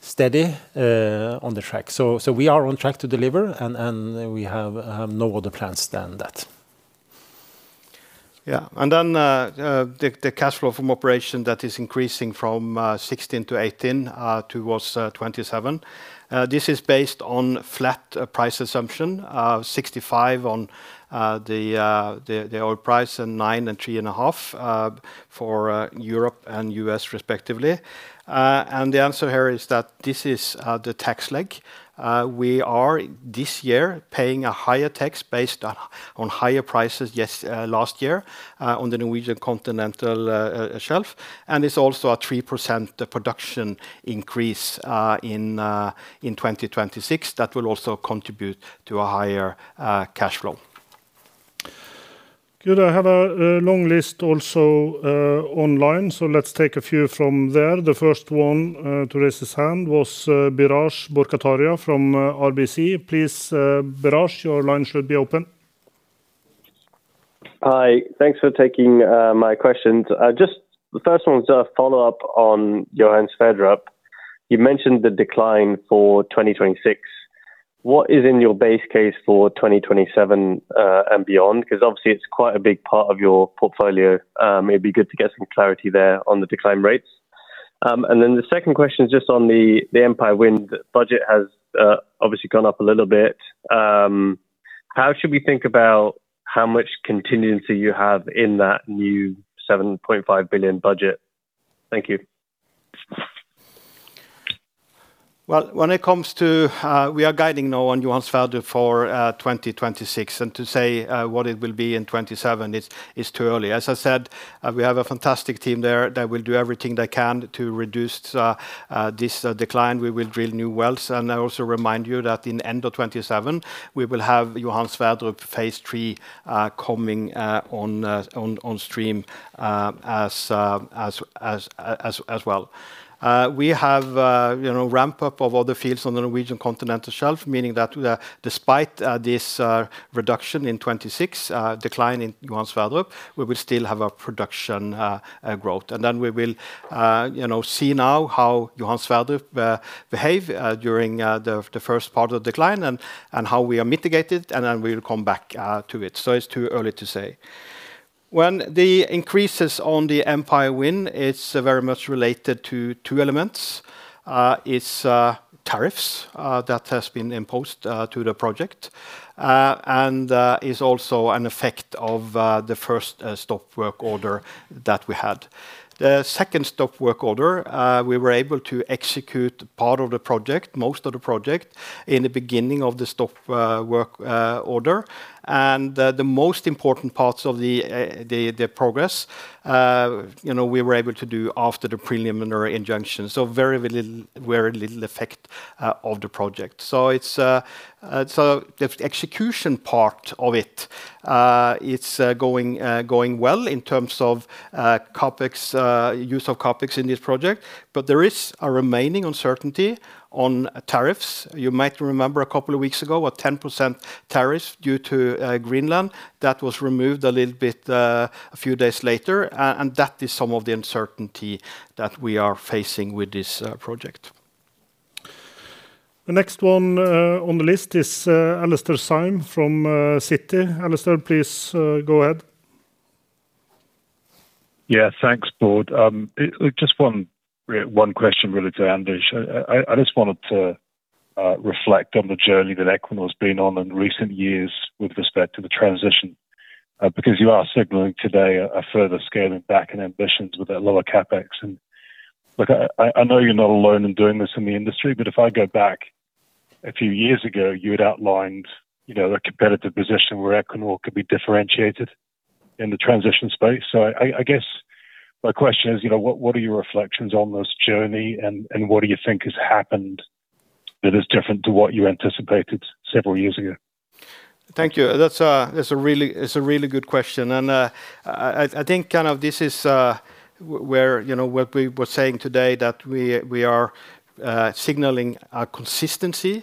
steady, on the track. So, so we are on track to deliver, and, and we have, no other plans than that. Yeah. And then, the cash flow from operations that is increasing from $16 billion to $18 billion towards 2027, this is based on flat price assumption, $65 on the oil price, and $9 and $3.5 for Europe and U.S. respectively. And the answer here is that this is the tax leg. We are, this year, paying a higher tax based on higher prices, yes, last year, on the Norwegian Continental Shelf. And it's also a 3% production increase in 2026, that will also contribute to a higher cash flow. Good. I have a long list also online, so let's take a few from there. The first one to raise his hand was Biraj Borkhataria from RBC. Please, Biraj, your line should be open. Hi, thanks for taking my questions. Just the first one was just a follow-up on Johan Sverdrup. You mentioned the decline for 2026. What is in your base case for 2027 and beyond? Because obviously it's quite a big part of your portfolio. It may be good to get some clarity there on the decline rates. And then the second question is just on the Empire Wind budget, which has obviously gone up a little bit. How should we think about how much contingency you have in that new $7.5 billion budget? Thank you. Well, when it comes to, we are guiding now on Johan Sverdrup for 2026, and to say what it will be in 2027 is too early. As I said, we have a fantastic team there that will do everything they can to reduce this decline. We will drill new wells. And I also remind you that in end of 2027, we will have Johan Sverdrup phase III coming on stream as well. We have, you know, ramp up of other fields on the Norwegian Continental Shelf, meaning that, despite this reduction in 2026, decline in Johan Sverdrup, we will still have a production growth. And then we will, you know, see now how Johan Sverdrup behave during the first part of the decline and how we are mitigated, and then we will come back to it. So it's too early to say. When the increases on the Empire Wind, it's very much related to two elements. It's tariffs that has been imposed to the project and is also an effect of the first stop work order that we had. The second stop work order, we were able to execute part of the project, most of the project, in the beginning of the stop work order. And the most important parts of the progress, you know, we were able to do after the preliminary injunction. So very, very little, very little effect of the project. So it's so the execution part of it, it's going well in terms of CapEx use of CapEx in this project, but there is a remaining uncertainty on tariffs. You might remember a couple of weeks ago, a 10% tariff due to Greenland, that was removed a little bit a few days later, and that is some of the uncertainty that we are facing with this project. The next one on the list is Alastair Syme from Citi. Alastair, please go ahead. Yeah, thanks, board. Just one question really to Anders. I just wanted to reflect on the journey that Equinor has been on in recent years with respect to the transition. Because you are signaling today a further scaling back and ambitions with a lower CapEx. And look, I know you're not alone in doing this in the industry, but if I go back a few years ago, you had outlined, you know, a competitive position where Equinor could be differentiated in the transition space. So I guess my question is, you know, what are your reflections on this journey, and what do you think has happened that is different to what you anticipated several years ago? Thank you. That's a really, it's a really good question. And, I think kind of this is where, you know, what we were saying today, that we are signaling a consistency.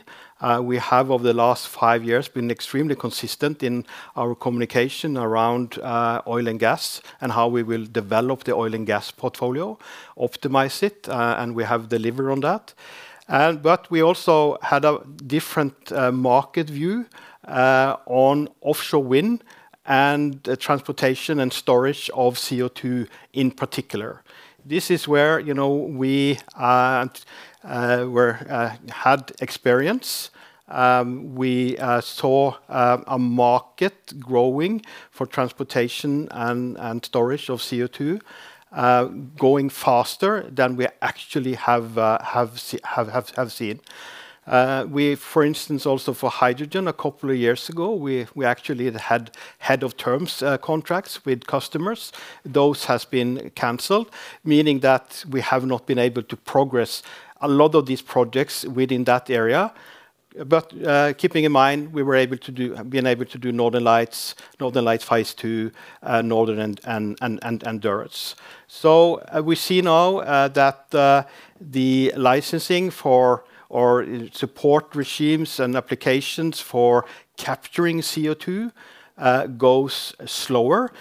We have, over the last five years, been extremely consistent in our communication around oil and gas, and how we will develop the oil and gas portfolio, optimize it, and we have delivered on that. And but we also had a different market view on offshore wind and transportation and storage of CO2 in particular. This is where, you know, we had experience. We saw a market growing for transportation and storage of CO2 going faster than we actually have seen. For instance, also for hydrogen, a couple of years ago, we actually had head of terms contracts with customers. Those has been canceled, meaning that we have not been able to progress a lot of these projects within that area. But keeping in mind, we were able to do been able to do Northern Lights, Northern Lights phase II, and Northern Endurance. So we see now that the licensing for or support regimes and applications for capturing CO2 goes slower,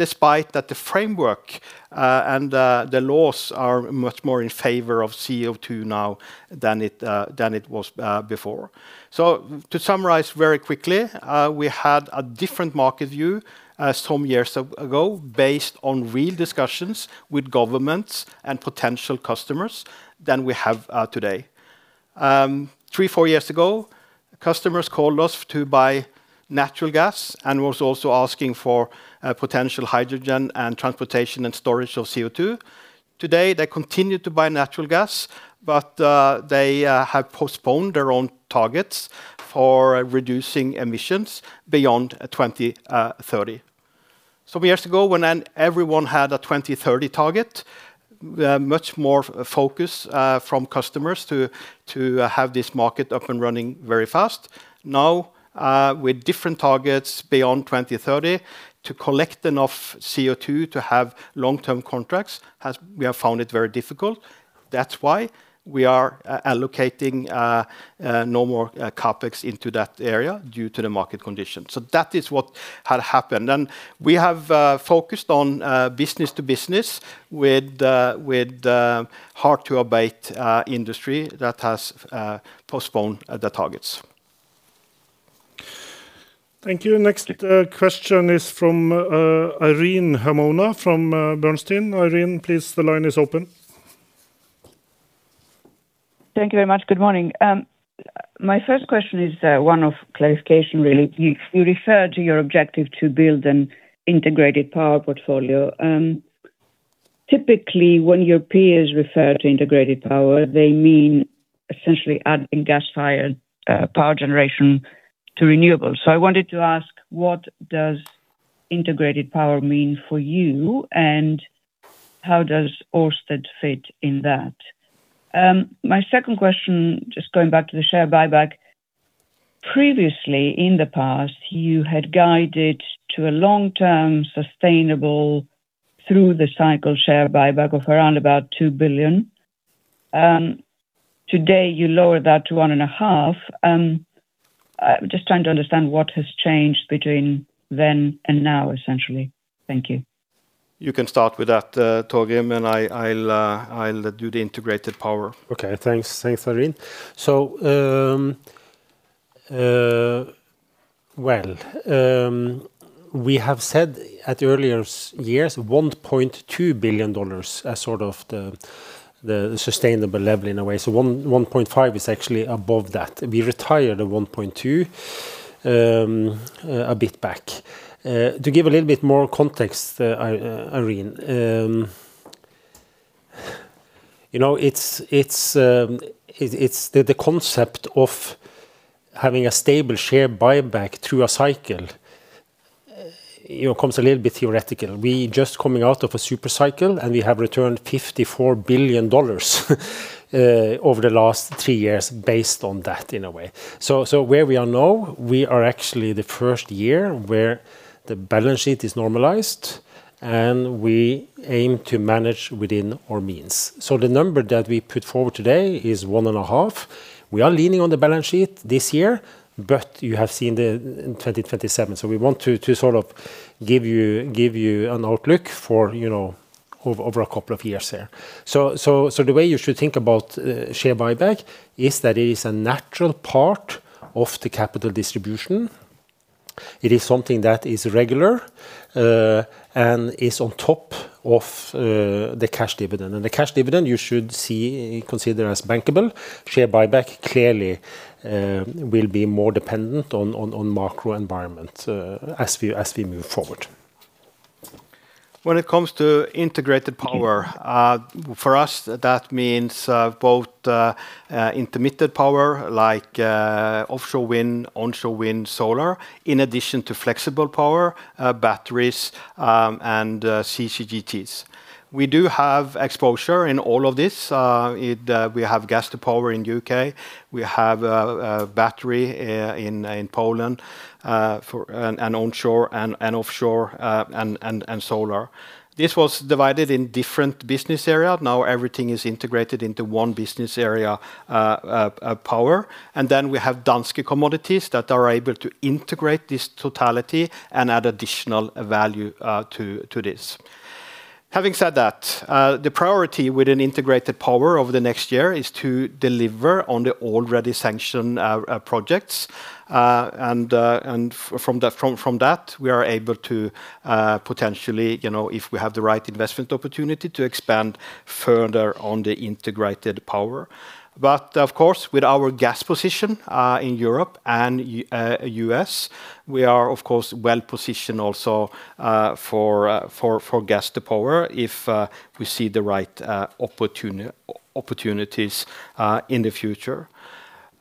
despite that the framework and the laws are much more in favor of CO2 now than it was before. So to summarize very quickly, we had a different market view some years ago, based on real discussions with governments and potential customers than we have today. Three-four years ago, customers called us to buy natural gas and was also asking for potential hydrogen and transportation and storage of CO2. Today, they continue to buy natural gas, but they have postponed their own targets for reducing emissions beyond 2030. Some years ago, when everyone had a 2030 target, much more focus from customers to have this market up and running very fast. Now, with different targets beyond 2030, to collect enough CO2 to have long-term contracts, has—we have found it very difficult. That's why we are allocating no more CapEx into that area due to the market conditions. So that is what had happened. And we have focused on business to business with hard-to-abate industry that has postponed the targets. Thank you. Next, question is from Irene Himona, from Bernstein. Irene, please, the line is open. Thank you very much. Good morning. My first question is, one of clarification, really. You, you referred to your objective to build an integrated power portfolio. Typically, when your peers refer to integrated power, they mean essentially adding gas-fired, power generation to renewables. So I wanted to ask, what does integrated power mean for you, and how does Ørsted fit in that? My second question, just going back to the share buyback. Previously, in the past, you had guided to a long-term, sustainable through the cycle share buyback of around about $2 billion. Today, you lowered that to $1.5 billion. I'm just trying to understand what has changed between then and now, essentially. Thank you. You can start with that, Torgrim, and I'll do the integrated power. Okay. Thanks. Thanks, Irene. So, well, we have said at the earlier years, $1.2 billion as sort of the, the sustainable level in a way. So $1.5 billion is actually above that. We retired the $1.2 billion a bit back. To give a little bit more context, Irene, you know, it's, it's, the concept of having a stable share buyback through a cycle, you know, comes a little bit theoretical. We just coming out of a super cycle, and we have returned $54 billion over the last three years based on that, in a way. So, so where we are now, we are actually the first year where the balance sheet is normalized, and we aim to manage within our means. So the number that we put forward today is $1.5 billion. We are leaning on the balance sheet this year, but you have seen the in 2027. So we want to sort of give you an outlook for, you know, over a couple of years here. So the way you should think about share buyback is that it is a natural part of the capital distribution. It is something that is regular and is on top of the cash dividend. And the cash dividend, you should see, consider as bankable. Share buyback clearly will be more dependent on macro environment as we move forward. When it comes to integrated power, for us, that means both intermittent power, like offshore wind, onshore wind, solar, in addition to flexible power, batteries, and CCGTs. We do have exposure in all of this. We have gas to power in U.K. We have battery in Poland, and onshore and offshore and solar. This was divided in different business area. Now everything is integrated into one business area, power, and then we have Danske Commodities that are able to integrate this totality and add additional value to this. Having said that, the priority with an integrated power over the next year is to deliver on the already sanctioned projects. From that, we are able to, potentially, you know, if we have the right investment opportunity, to expand further on the integrated power. But of course, with our gas position, in Europe and U.S., we are, of course, well-positioned also, for gas to power if we see the right opportunities in the future.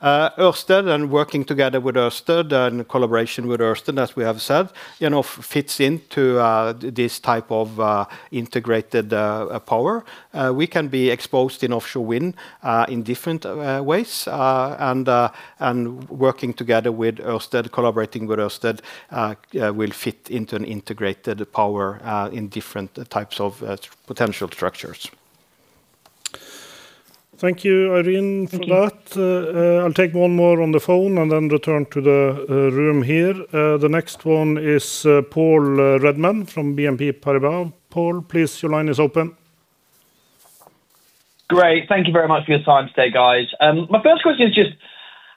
Ørsted, and working together with Ørsted, and collaboration with Ørsted, as we have said, you know, fits into this type of integrated power. We can be exposed in offshore wind, in different ways, and working together with Ørsted, collaborating with Ørsted, yeah, will fit into an integrated power, in different types of potential structures. Thank you, Irene, for that. I'll take one more on the phone and then return to the room here. The next one is Paul Redman from BNP Paribas. Paul, please, your line is open. Great. Thank you very much for your time today, guys. My first question is just,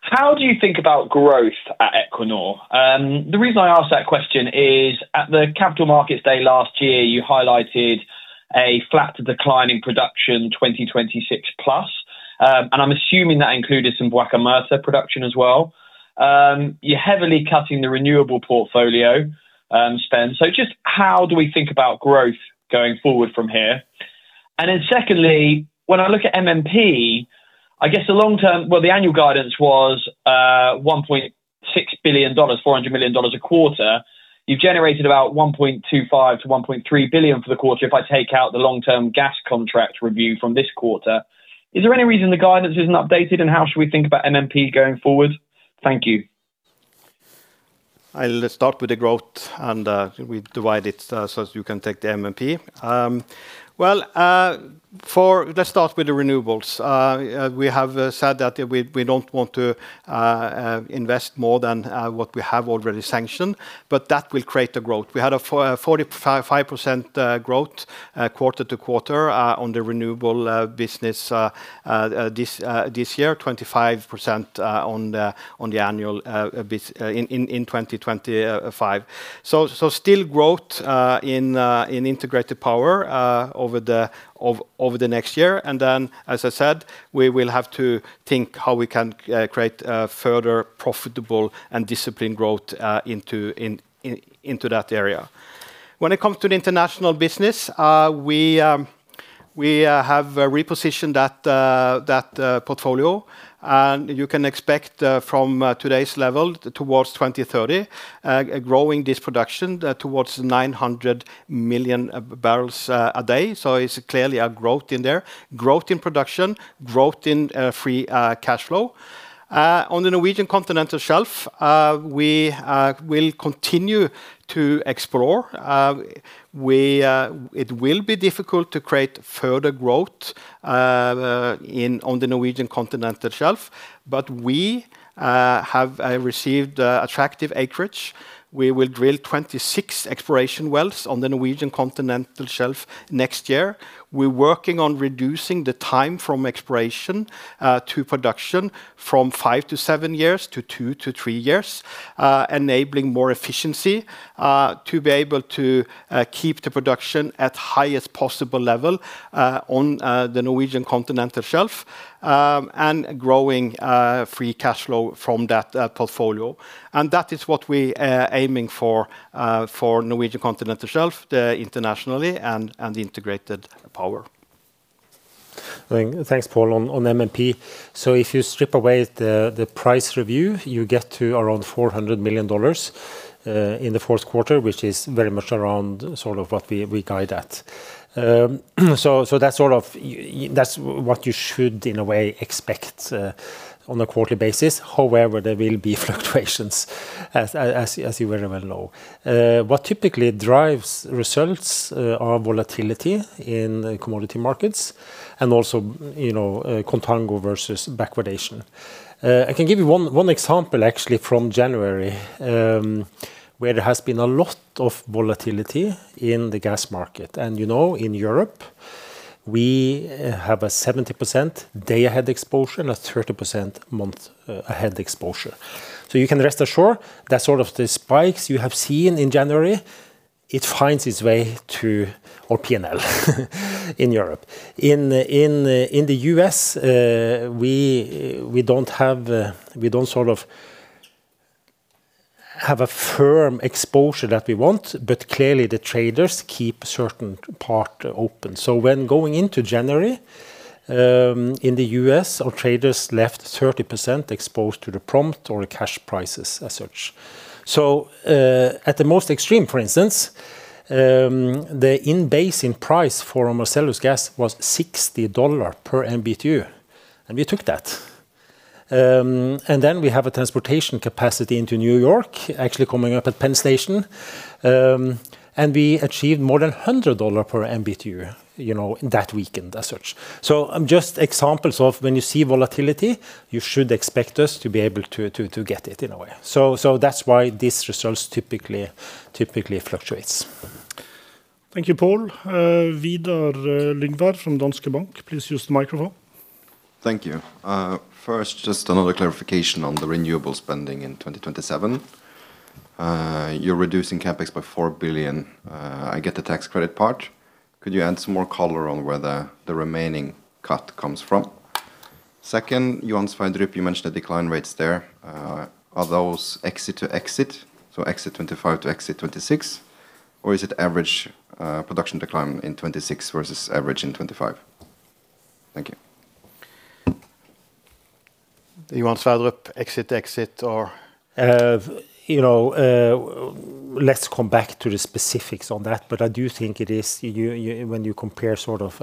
how do you think about growth at Equinor? The reason I ask that question is, at the Capital Markets Day last year, you highlighted a flat to declining production 2026+, and I'm assuming that included some Guyana production as well. You're heavily cutting the renewable portfolio spend. So just how do we think about growth going forward from here? And then secondly, when I look at MMP, I guess the long term--Well, the annual guidance was $1.6 billion, $400 million a quarter. You've generated about $1.25 billion-$1.3 billion for the quarter, if I take out the long-term gas contract review from this quarter. Is there any reason the guidance isn't updated, and how should we think about MMP going forward? Thank you. I'll start with the growth, and we divide it, so you can take the MMP. Let's start with the renewables. We have said that we don't want to invest more than what we have already sanctioned, but that will create the growth. We had 45.5% growth quarter-to-quarter on the renewables business this year, 25% on the annual basis in 2025. So still growth in integrated power over the next year. And then, as I said, we will have to think how we can create a further profitable and disciplined growth into that area. When it comes to the international business, we have repositioned that portfolio, and you can expect from today's level towards 2030, growing this production towards 900 million barrels a day. So it's clearly a growth in there, growth in production, growth in free cash flow. On the Norwegian Continental Shelf, we will continue to explore. It will be difficult to create further growth in on the Norwegian Continental Shelf, but we have received attractive acreage. We will drill 26 exploration wells on the Norwegian Continental Shelf next year. We're working on reducing the time from exploration to production from five-seven years to two-three years, enabling more efficiency to be able to keep the production at highest possible level on the Norwegian Continental Shelf, and growing free cash flow from that portfolio. That is what we are aiming for Norwegian Continental Shelf, the international and integrated power. Thanks, Paul. On MMP, so if you strip away the price review, you get to around $400 million in the fourth quarter, which is very much around sort of what we guide at. So that's sort of what you should, in a way, expect on a quarterly basis. However, there will be fluctuations as you very well know. What typically drives results are volatility in commodity markets and also, you know, contango versus backwardation. I can give you one example, actually, from January, where there has been a lot of volatility in the gas market. And, you know, in Europe, we have a 70% day ahead exposure and a 30% month ahead exposure. So you can rest assured that sort of the spikes you have seen in January, it finds its way to our P&L in Europe. In the U.S., we don't sort of have a firm exposure that we want, but clearly the traders keep a certain part open. So when going into January, in the U.S., our traders left 30% exposed to the prompt or the cash prices as such. So, at the most extreme, for instance, the in-basin price for our Marcellus gas was $60 per MMBtu, and we took that. And then we have a transportation capacity into New York, actually coming up at Penn Station. And we achieved more than $100 per MMBtu, you know, that weekend as such. Just examples of when you see volatility, you should expect us to be able to to get it in a way. So that's why these results typically fluctuates. Thank you, Paul. Vidar Lyngvær from Danske Bank, please use the microphone. Thank you. First, just another clarification on the renewable spending in 2027. You're reducing CapEx by $4 billion. I get the tax credit part. Could you add some more color on where the, the remaining cut comes from? Second, Johan Sverdrup, you mentioned the decline rates there. Are those exit to exit, so exit 2025 to exit 2026, or is it average, production decline in 2026 versus average in 2025? Thank you. Johan Sverdrup, exit to exit or-- You know, let's come back to the specifics on that, but I do think it is you when you compare sort of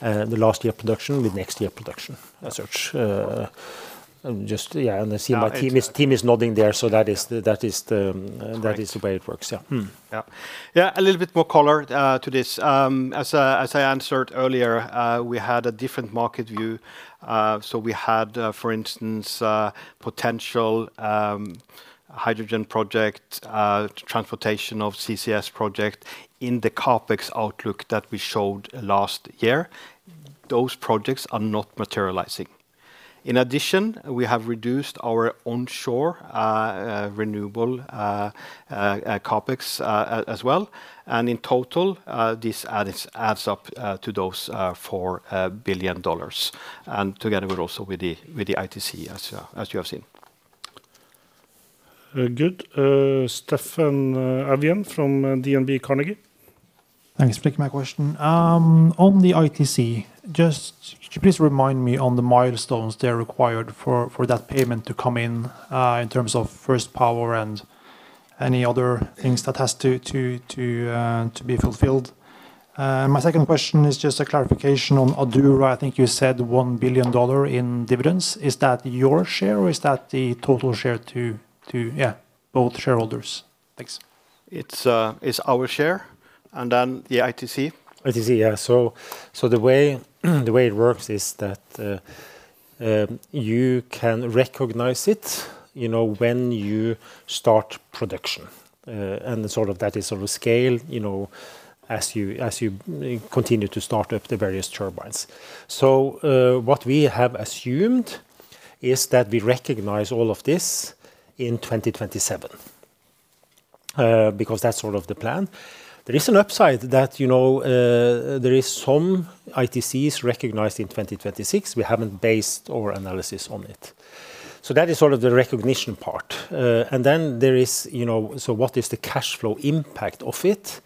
the last year production with next year production as such. Just, yeah, and I see my team is nodding there, so that is the way it works. Yeah. Yeah. Yeah, a little bit more color to this. As I answered earlier, we had a different market view. So we had, for instance, potential hydrogen project, transportation of CCS project in the CapEx outlook that we showed last year. Those projects are not materializing. In addition, we have reduced our onshore renewable CapEx as well, and in total, this adds up to those $4 billion, and together with also with the ITC, as you have seen. Good. Steffen Evjen from DNB Carnegie. Thanks for taking my question. On the ITC, just could you please remind me on the milestones that are required for that payment to come in, in terms of first power and any other things that has to be fulfilled? My second question is just a clarification on Adura. I think you said $1 billion in dividends. Is that your share or is that the total share to--yeah, both shareholders. Thanks. It's our share, and then the ITC. ITC, yeah. So the way it works is that you can recognize it, you know, when you start production, and sort of that is on a scale, you know, as you continue to start up the various turbines. So what we have assumed is that we recognize all of this in 2027, because that's sort of the plan. There is an upside that, you know, there is some ITCs recognized in 2026. We haven't based our analysis on it. So that is sort of the recognition part. And then there is, you know, so what is the cash flow impact of it?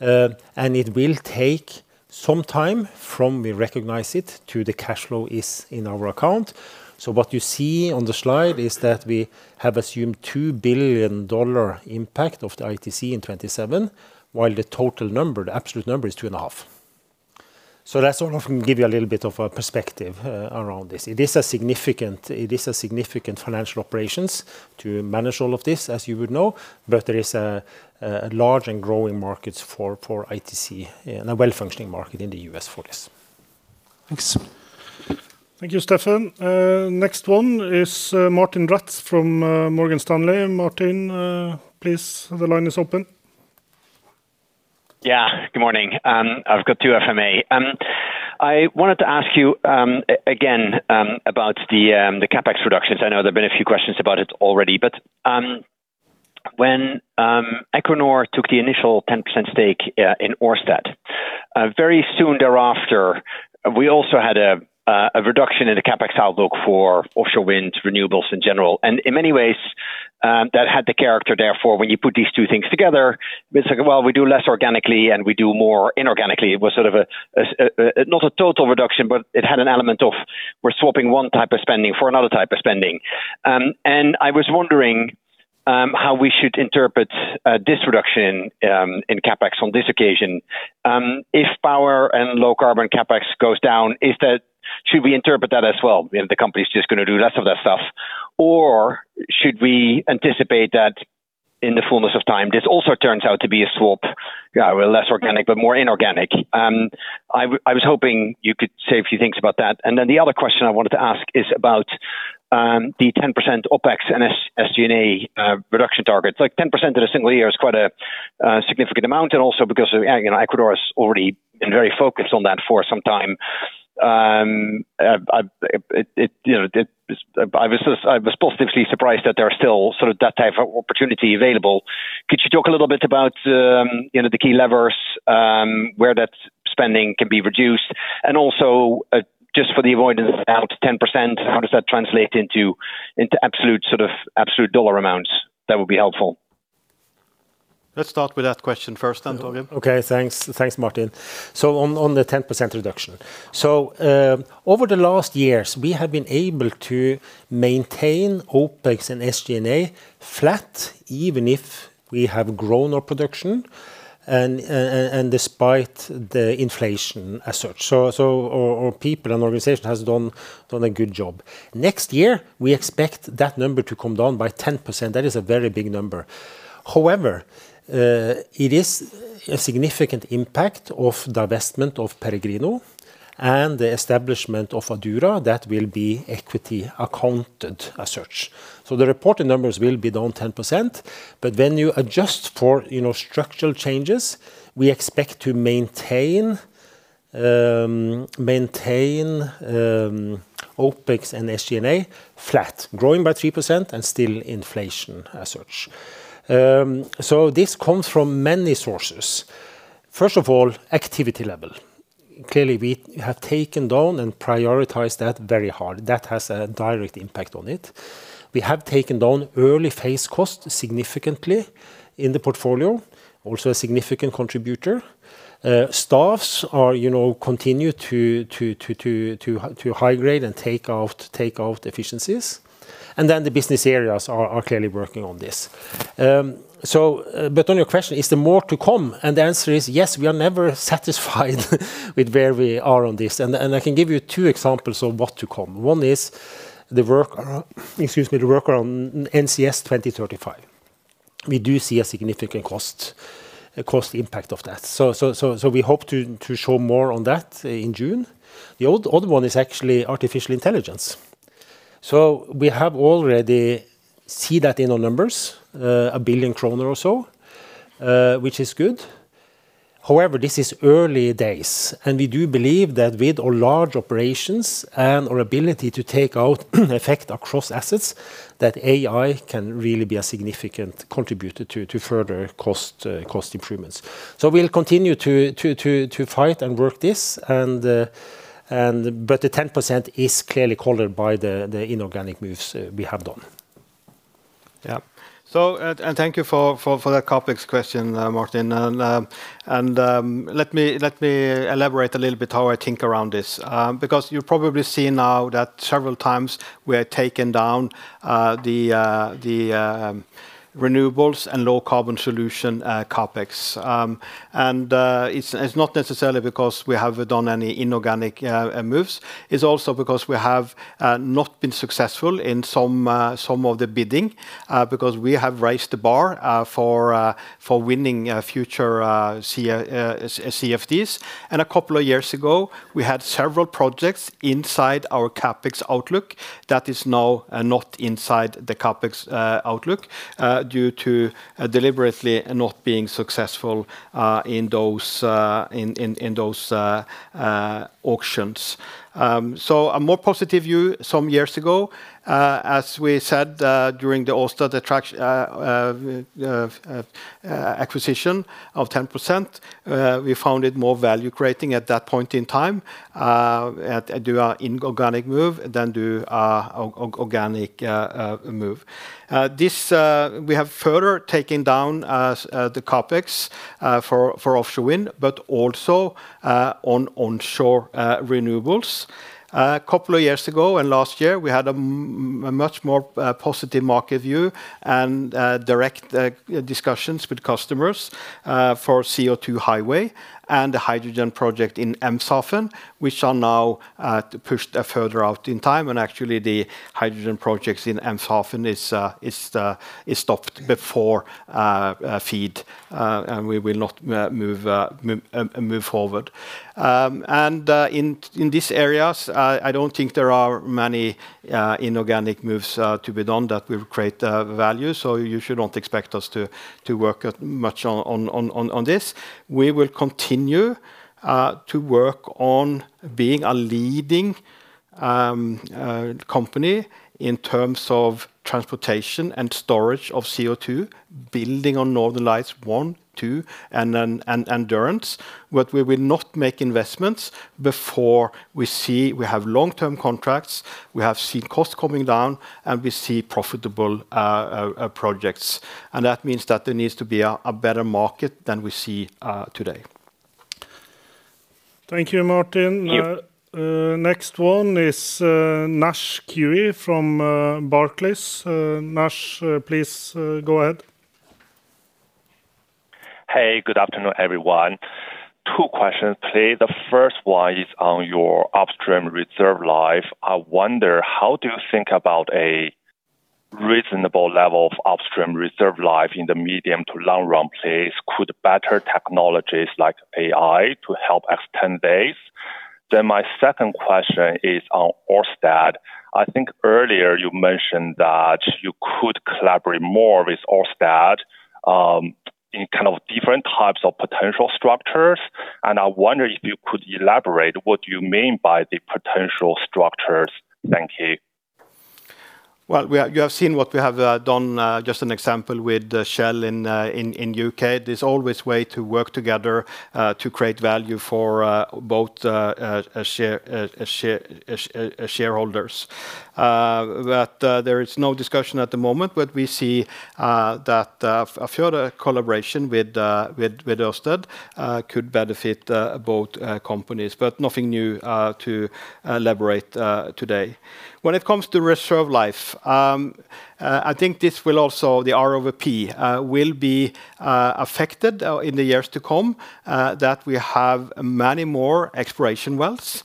And it will take some time from we recognize it to the cash flow is in our account. What you see on the slide is that we have assumed $2 billion impact of the ITC in 2027, while the total number, the absolute number, is $2.5 billion. That's sort of give you a little bit of a perspective around this. It is a significant, it is a significant financial operations to manage all of this, as you would know, but there is a large and growing market for ITC, and a well-functioning market in the U.S. for this. Thanks. Thank you, Steffen. Next one is Martijn Rats from Morgan Stanley. Martin, please, the line is open. Yeah, good morning. I've got two if I may. I wanted to ask you, again, about the, the CapEx reductions. I know there have been a few questions about it already, but, when, Equinor took the initial 10% stake, in Ørsted, very soon thereafter, we also had a, a reduction in the CapEx outlook for offshore wind renewables in general. And in many ways, that had the character, therefore, when you put these two things together, it's like, well, we do less organically and we do more inorganically. It was sort of a, not a total reduction, but it had an element of we're swapping one type of spending for another type of spending. And I was wondering, how we should interpret, this reduction, in CapEx on this occasion. If power and low carbon CapEx goes down, is that--should we interpret that as well, you know, the company's just gonna do less of that stuff? Or should we anticipate that in the fullness of time, this also turns out to be a swap? Yeah, well, less organic but more inorganic. I was hoping you could say a few things about that. And then the other question I wanted to ask is about the 10% OpEx and SG&A reduction target. Like, 10% in a single year is quite a significant amount, and also because of, yeah, you know, Equinor has already been very focused on that for some time. I was positively surprised that there are still sort of that type of opportunity available. Could you talk a little bit about, you know, the key levers, where that spending can be reduced? And also, just for the avoidance of doubt, 10%, how does that translate into, into absolute sort of absolute dollar amounts? That would be helpful. Let's start with that question first, then, Torgrim. Okay, thanks. Thanks, Martin. So on the 10% reduction. So, over the last years, we have been able to maintain OpEx and SG&A flat, even if we have grown our production and and despite the inflation as such. So our people and organization has done a good job. Next year, we expect that number to come down by 10%. That is a very big number. However, it is a significant impact of the investment of Peregrino and the establishment of Adura that will be equity accounted as such. So the reported numbers will be down 10%, but when you adjust for, you know, structural changes, we expect to maintain OpEx and SG&A flat, growing by 3% and still inflation as such. So this comes from many sources. First of all, activity level. Clearly, we have taken down and prioritized that very hard. That has a direct impact on it. We have taken down early phase costs significantly in the portfolio, also a significant contributor. Staffs are, you know, continue to high grade and take out efficiencies, and then the business areas are clearly working on this. So, but on your question, is there more to come? And the answer is yes, we are never satisfied with where we are on this. And I can give you two examples of what to come. One is the work around NCS 2035. We do see a significant cost impact of that. So we hope to show more on that in June. The other one is actually artificial intelligence. So we have already seen that in our numbers, 1 billion kroner or so, which is good. However, this is early days, and we do believe that with our large operations and our ability to take out effect across assets, that AI can really be a significant contributor to further cost improvements. So we'll continue to fight and work this, and but the 10% is clearly colored by the inorganic moves we have done. Yeah. So, thank you for that complex question, Martin. And let me elaborate a little bit how I think around this. Because you've probably seen now that several times we have taken down the renewables and low-carbon solution CapEx. And it's not necessarily because we have done any inorganic moves. It's also because we have not been successful in some of the bidding because we have raised the bar for winning future CFDs. And a couple of years ago, we had several projects inside our CapEx outlook that is now not inside the CapEx outlook due to deliberately not being successful in those auctions. So a more positive view some years ago, as we said, during the Ørsted transaction, acquisition of 10%, we found it more value creating at that point in time, to do an inorganic move than to do an organic move. This, we have further taken down the CapEx for offshore wind, but also on onshore renewables. A couple of years ago, and last year, we had a much more positive market view and direct discussions with customers for CO2 Highway and the hydrogen project in Eemshaven, which are now pushed further out in time. And actually, the hydrogen projects in Eemshaven is stopped before FEED, and we will not move forward. In these areas, I don't think there are many inorganic moves to be done that will create value. So you should not expect us to work much on this. We will continue to work on being a leading company in terms of transportation and storage of CO2, building on Northern Lights 1, 2, and Endurance. But we will not make investments before we see we have long-term contracts, we have seen costs coming down, and we see profitable projects. That means that there needs to be a better market than we see today. Thank you, Martijn. Thank you. Next one is, Naisheng Cui from, Barclays. Naish, please, go ahead. Hey, good afternoon, everyone. Two questions, please. The first one is on your upstream reserve life. I wonder, how do you think about reasonable level of upstream reserve life in the medium to long run place, could better technologies like AI to help extend this? Then my second question is on Ørsted. I think earlier you mentioned that you could collaborate more with Ørsted, in kind of different types of potential structures, and I wonder if you could elaborate what you mean by the potential structures. Thank you. Well, you have seen what we have done, just an example with Shell in the U.K. There's always a way to work together to create value for both shareholders. But there is no discussion at the moment, but we see that a further collaboration with Ørsted could benefit both companies, but nothing new to elaborate today. When it comes to reserve life, I think this will also, the R/P, will be affected in the years to come, that we have many more exploration wells,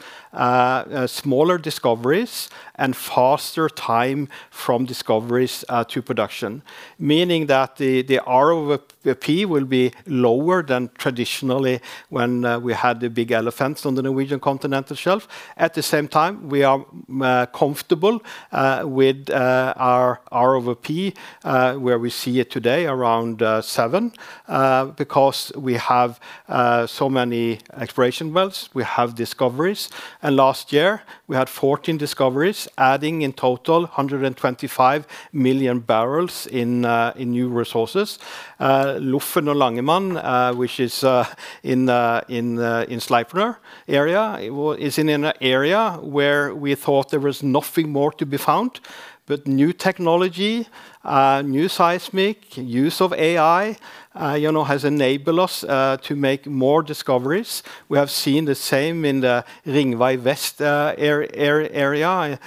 smaller discoveries, and faster time from discoveries to production. Meaning that the R/P will be lower than traditionally when we had the big elephants on the Norwegian Continental Shelf. At the same time, we are comfortable with our R/P where we see it today around seven because we have so many exploration wells, we have discoveries. And last year we had 14 discoveries, adding in total 125 million barrels in new resources. Lofn and Langemann, which is in Sleipner area, is in an area where we thought there was nothing more to be found. But new technology, new seismic, use of AI, you know, has enabled us to make more discoveries. We have seen the same in the Ringvei Vest area.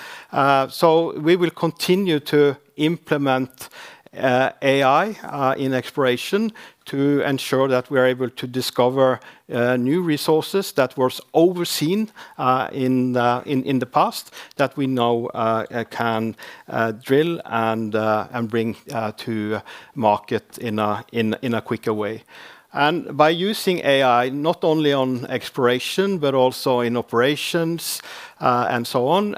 So we will continue to implement AI in exploration to ensure that we're able to discover new resources that was overseen in the past that we now can drill and bring to market in a quicker way. And by using AI, not only on exploration, but also in operations and so on,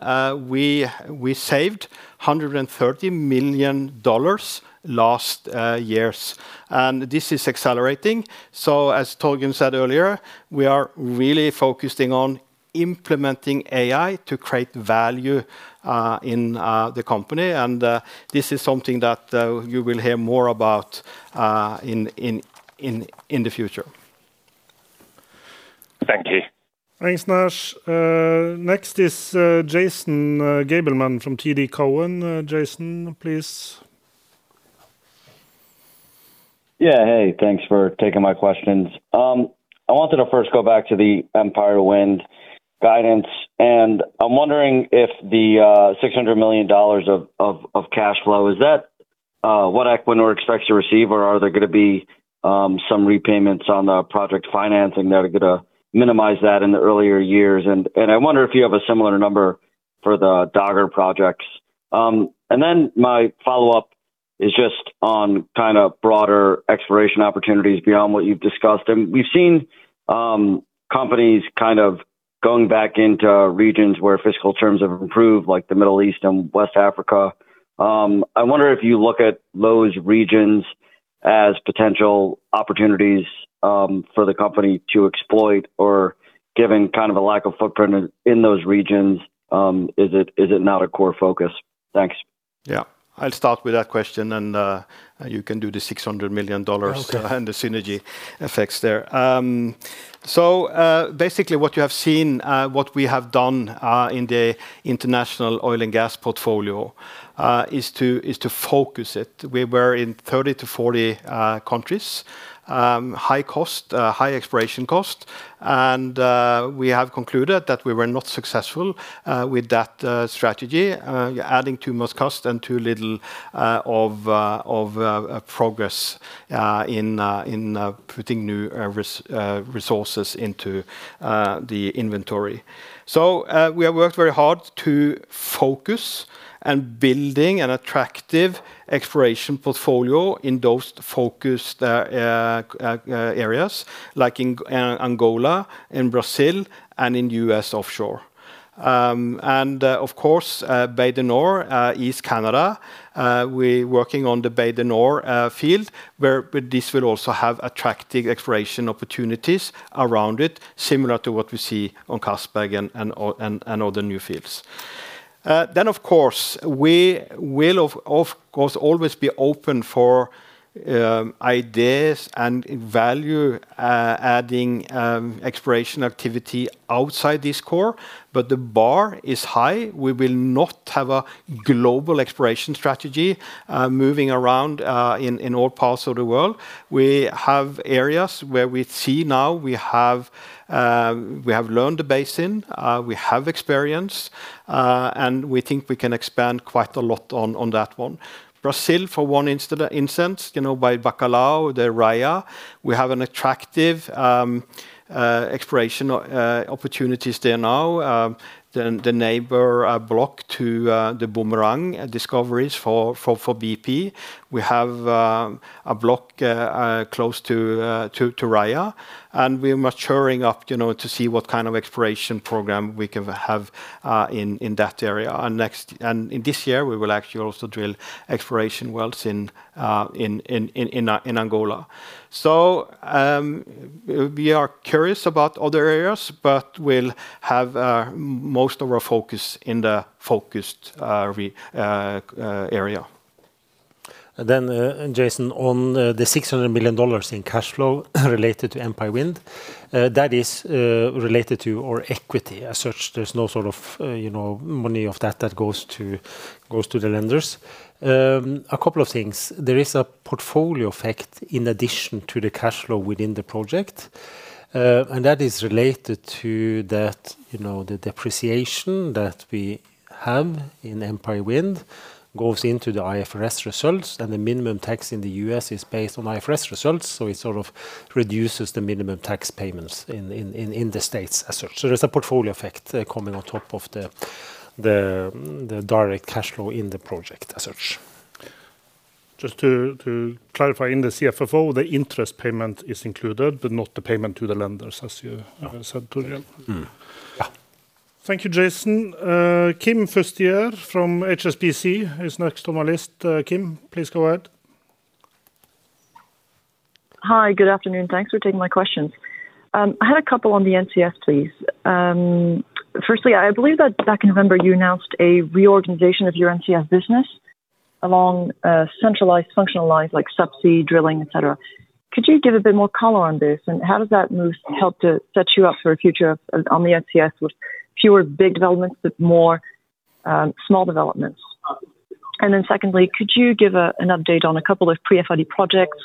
we saved $130 million last years. And this is accelerating, so as Torgrim said earlier, we are really focusing on implementing AI to create value in the company. And this is something that you will hear more about in the future. Thank you. Thanks, Naish. Next is Jason Gabelman from TD Cowen. Jason, please. Yeah. Hey, thanks for taking my questions. I wanted to first go back to the Empire Wind guidance, and I'm wondering if the $600 million of cash flow is that what Equinor expects to receive, or are there gonna be some repayments on the project financing that are gonna minimize that in the earlier years? And I wonder if you have a similar number for the Dogger projects. And then my follow-up is just on kind of broader exploration opportunities beyond what you've discussed. And we've seen companies kind of going back into regions where fiscal terms have improved, like the Middle East and West Africa. I wonder if you look at those regions as potential opportunities, for the company to exploit, or given kind of a lack of footprint in those regions, is it not a core focus? Thanks. Yeah. I'll start with that question, and, you can do the $600 million and the synergy effects there. So, basically, what you have seen, what we have done, in the international oil and gas portfolio, is to focus it. We were in 30-40 countries, high cost, high exploration cost, and we have concluded that we were not successful with that strategy, adding too much cost and too little of progress in putting new resources into the inventory. So, we have worked very hard to focus and building an attractive exploration portfolio in those focused areas, like in Angola, in Brazil, and in U.S. offshore. Of course, Bay du Nord off East Canada, we're working on the Bay du Nord field, where this will also have attractive exploration opportunities around it, similar to what we see on Castberg and all other new fields. Then, of course, we will, of course, always be open for ideas and value-adding exploration activity outside this core, but the bar is high. We will not have a global exploration strategy moving around in all parts of the world. We have areas where we see now we have learned the basin, we have experience, and we think we can expand quite a lot on that one. Brazil, for one instance, you know, by Bacalhau, the Raia, we have an attractive exploration opportunities there now. The neighbor block to the Boomerang discoveries for BP. We have a block close to Raia, and we're maturing up, you know, to see what kind of exploration program we can have in that area. And in this year, we will actually also drill exploration wells in Angola. So, we are curious about other areas, but we'll have most of our focus in the focused Brazil area. And then, Jason, on the $600 million in cash flow related to Empire Wind, that is related to our equity. As such, there's no sort of, you know, money of that that goes to the lenders. A couple of things: there is a portfolio effect in addition to the cash flow within the project. And that is related to that, you know, the depreciation that we have in Empire Wind goes into the IFRS results, and the minimum tax in the U.S. is based on IFRS results. So it sort of reduces the minimum tax payments in the States as such. So there's a portfolio effect coming on top of the direct cash flow in the project as such. Just to clarify, in the CFFO, the interest payment is included, but not the payment to the lenders, as you have said, Torgrim? Yeah. Thank you, Jason. Kim Fustier from HSBC is next on my list. Kim, please go ahead. Hi, good afternoon. Thanks for taking my questions. I had a couple on the NCS, please. Firstly, I believe that back in November, you announced a reorganization of your NCS business along centralized functional lines, like subsea drilling, et cetera. Could you give a bit more color on this, and how does that move help to set you up for a future on the NCS with fewer big developments, but more small developments? And then secondly, could you give an update on a couple of pre-FID projects,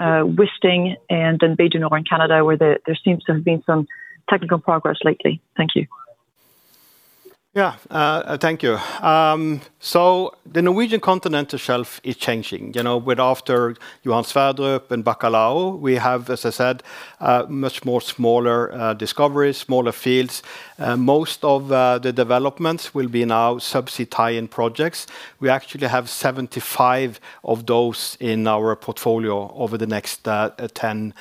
Wisting and Bay du Nord in Canada, where there seems to have been some technical progress lately. Thank you. Yeah, thank you. So the Norwegian Continental Shelf is changing. You know, with after Johan Sverdrup and Bacalhau, we have, as I said, much more smaller discoveries, smaller fields. Most of the developments will be now subsea tie-in projects. We actually have 75 of those in our portfolio over the next 10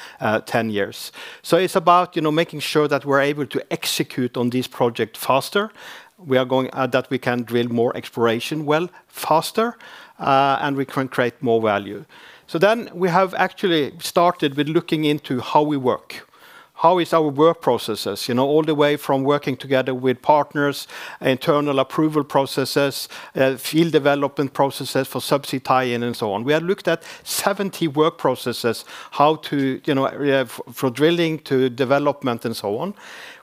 years. So it's about, you know, making sure that we're able to execute on this project faster. We are going--that we can drill more exploration well, faster, and we can create more value. So then we have actually started with looking into how we work. How is our work processes? You know, all the way from working together with partners, internal approval processes, field development processes for subsea tie-in, and so on. We have looked at 70 work processes, how to, you know, for drilling to development, and so on.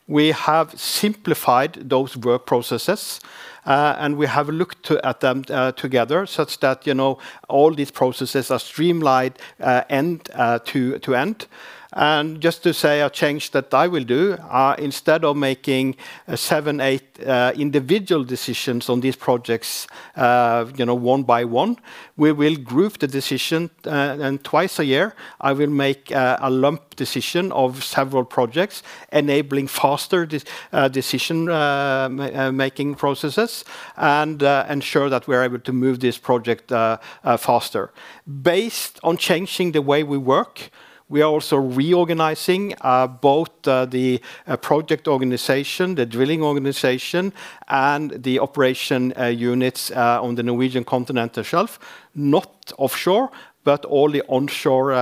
We have simplified those work processes, and we have looked at them together, such that, you know, all these processes are streamlined end to end. And just to say, a change that I will do, instead of making seven, eight individual decisions on these projects, you know, one by one, we will group the decision. And twice a year, I will make a lump decision of several projects, enabling faster decision making processes and ensure that we're able to move this project faster. Based on changing the way we work, we are also reorganizing both the project organization, the drilling organization, and the operation units on the Norwegian Continental Shelf. Not offshore, but all the onshore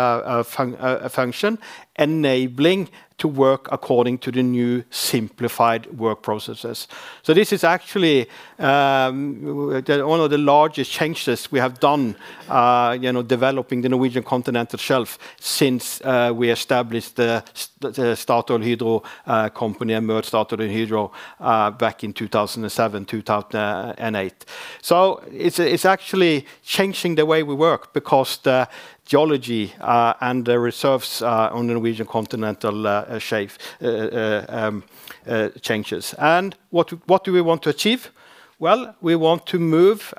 function enabling to work according to the new simplified work processes. So this is actually the one of the largest changes we have done, you know, developing the Norwegian Continental Shelf since we established the StatoilHydro company and merged Statoil and Hydro back in 2007, 2008. So it's actually changing the way we work because the geology and the reserves on the Norwegian Continental Shelf changes. And what do we want to achieve? Well, we want to move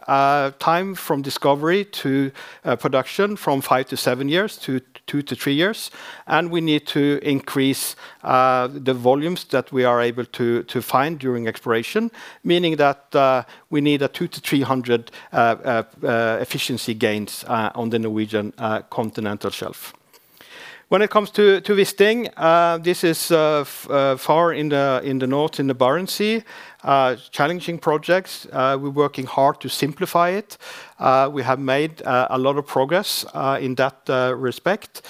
time from discovery to production from five-seven years to two-three years, and we need to increase the volumes that we are able to find during exploration. Meaning that, we need 200-300 efficiency gains on the Norwegian Continental Shelf. When it comes to Wisting, this is far in the north, in the Barents Sea. Challenging projects, we're working hard to simplify it. We have made a lot of progress in that respect.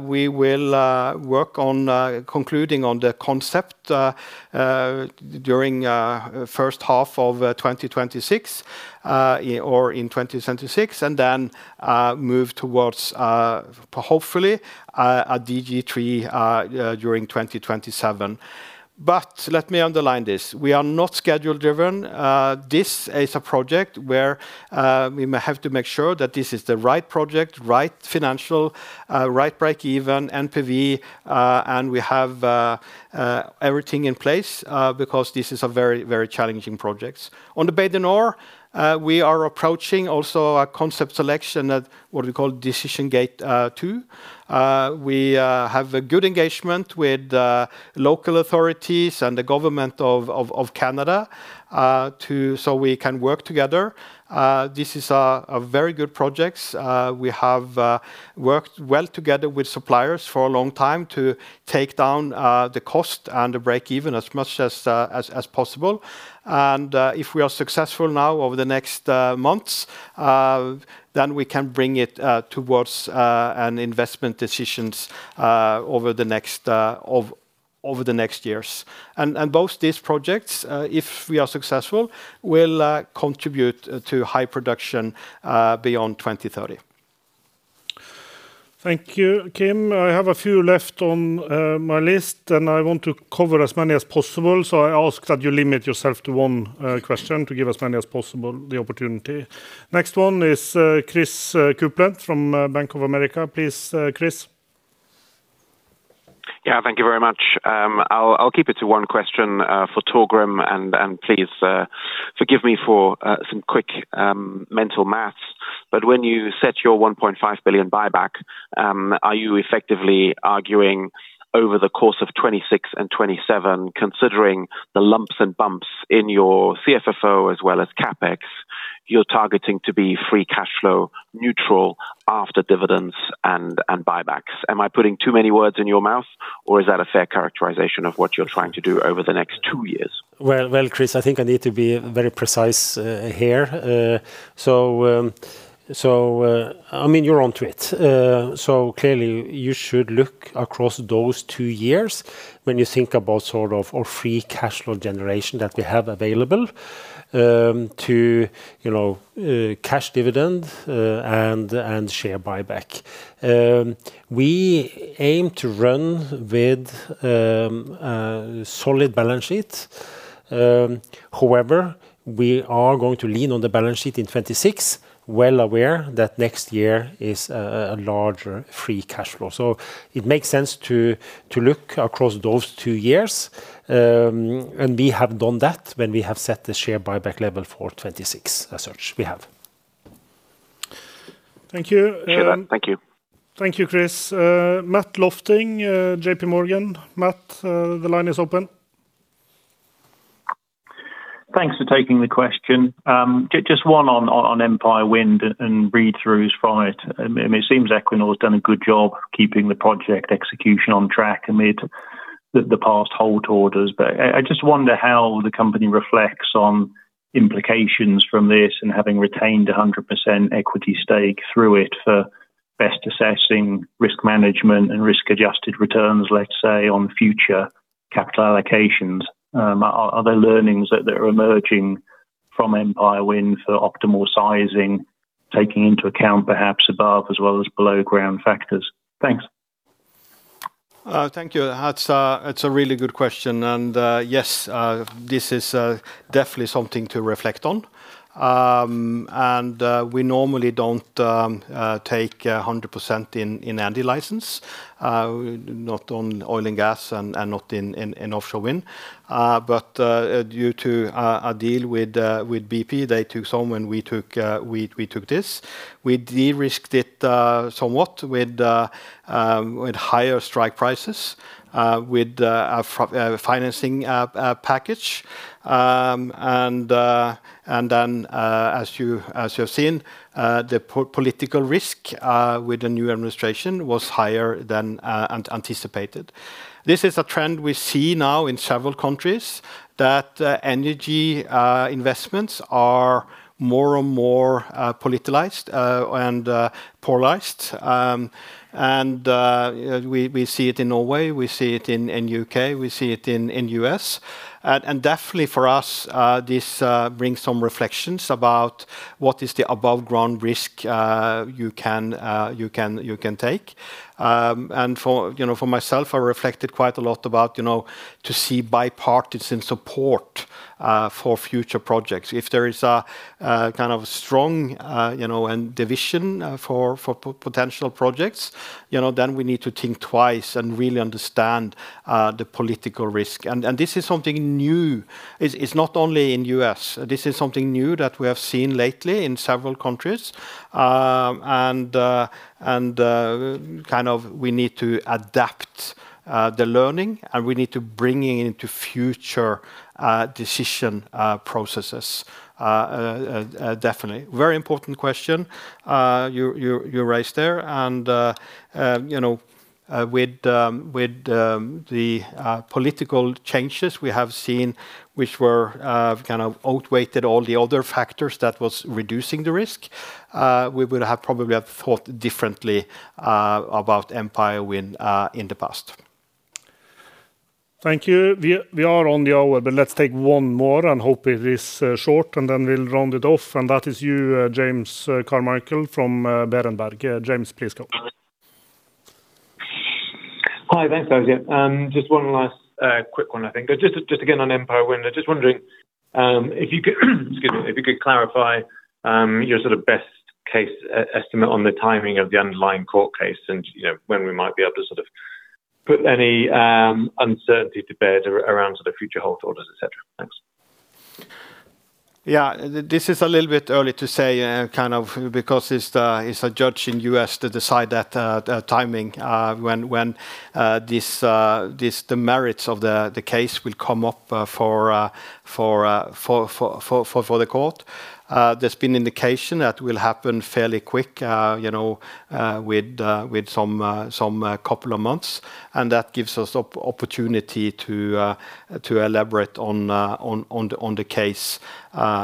We will work on concluding on the concept during first half of 2026 or in 2026, and then move towards, hopefully, a DG3 during 2027. But let me underline this: we are not schedule-driven. This is a project where we have to make sure that this is the right project, right financial, right breakeven, NPV, and we have everything in place, because this is a very, very challenging projects. On the Bay du Nord, we are approaching also a concept selection at what we call decision gate two. We have a good engagement with local authorities and the government of Canada, to--so we can work together. This is a very good projects. We have worked well together with suppliers for a long time to take down the cost and the breakeven as much as possible. If we are successful now over the next months, then we can bring it towards an investment decisions over the next years. And both these projects, if we are successful, will contribute to high production beyond 2030. Thank you, Kim. I have a few left on my list, and I want to cover as many as possible, so I ask that you limit yourself to one question to give as many as possible the opportunity. Next one is Chris Kuplent from Bank of America. Please, Chris. Yeah, thank you very much. I'll keep it to one question, for Torgrim, and, and please, forgive me for, some quick, mental math. But when you set your $1.5 billion buyback, are you effectively arguing over the course of 2026 and 2027, considering the lumps and bumps in your CFFO as well as CapEx, you're targeting to be free cash flow neutral after dividends and, and buybacks? Am I putting too many words in your mouth, or is that a fair characterization of what you're trying to do over the next two years? Well, well, Chris, I think I need to be very precise here. So, I mean, you're on to it. So clearly, you should look across those two years when you think about sort of our free cash flow generation that we have available to, you know, cash dividend and share buyback. We aim to run with a solid balance sheet. However, we are going to lean on the balance sheet in 2026, well aware that next year is a larger free cash flow. So it makes sense to look across those two years. And we have done that when we have set the share buyback level for 2026, as such we have. Thank you. Sure, thank you. Thank you, Chris. Matt Lofting, J.P. Morgan. Matt, the line is open. Thanks for taking the question. Just one on Empire Wind and read throughs from it. I mean, it seems Equinor has done a good job keeping the project execution on track amid the past halt orders. But I just wonder how the company reflects on implications from this and having retained a 100% equity stake through it for best assessing risk management and risk-adjusted returns, let's say, on future capital allocations. Are there learnings that are emerging from Empire Wind for optimal sizing, taking into account, perhaps above as well as below ground factors? Thanks. Thank you. That's, it's a really good question, and, yes, this is definitely something to reflect on. And, we normally don't take 100% in any license, not on oil and gas, and not in offshore wind. But, due to a deal with BP, they took some, and we took this. We de-risked it somewhat with higher strike prices, with financing package. And then, as you have seen, the political risk with the new administration was higher than anticipated. This is a trend we see now in several countries, that energy investments are more and more politicized, and polarized. And we see it in Norway, we see it in U.K., we see it in U.S. And definitely for us, this brings some reflections about what is the above-ground risk you can take. And, you know, for myself, I reflected quite a lot about, you know, to see bipartisan support for future projects. If there is a kind of strong, you know, and division for potential projects, you know, then we need to think twice and really understand the political risk. And this is something new. It's not only in U.S., this is something new that we have seen lately in several countries. We kind of need to adapt the learning, and we need to bring it into future decision processes. Definitely. Very important question you raised there. And you know, with the political changes we have seen, which were kind of outweighed all the other factors that was reducing the risk, we would have probably have thought differently about Empire Wind in the past. Thank you. We are on the hour, but let's take one more and hope it is short, and then we'll round it off. And that is you, James Carmichael from Berenberg. James, please go. Hi, thanks, guys. Yeah, just one last quick one, I think. Just again, on Empire Wind. I'm just wondering if you could excuse me, if you could clarify your sort of best case estimate on the timing of the underlying court case and, you know, when we might be able to sort of put any uncertainty to bed around sort of future hold orders, et cetera. Thanks. Yeah, this is a little bit early to say, kind of, because it's a judge in U.S. to decide that, timing, when this, the merits of the case will come up, for the court. There's been indication that will happen fairly quick, you know, with some couple of months, and that gives us opportunity to elaborate on the case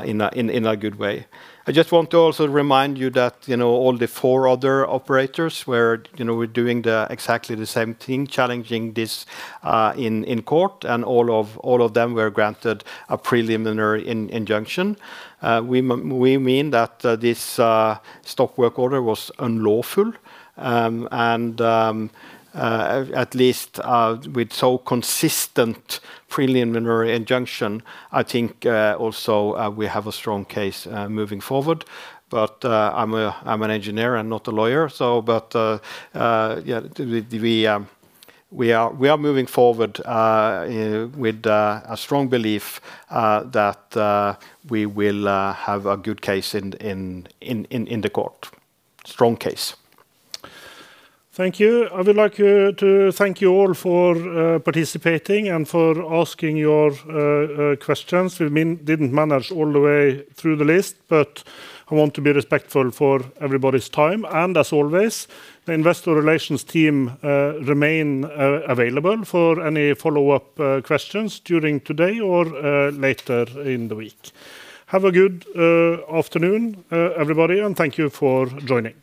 in a good way. I just want to also remind you that, you know, all the four other operators were, you know, were doing the exactly the same thing, challenging this in court, and all of them were granted a preliminary injunction. We mean that this stop work order was unlawful. And at least with so consistent preliminary injunction, I think, also we have a strong case moving forward. But I'm an engineer and not a lawyer, so but yeah, we are moving forward with a strong belief that we will have a good case in the court. Strong case. Thank you. I would like to thank you all for participating and for asking your questions. Didn't manage all the way through the list, but I want to be respectful for everybody's time. And as always, the Investor Relations team remain available for any follow-up questions during today or later in the week. Have a good afternoon, everybody, and thank you for joining.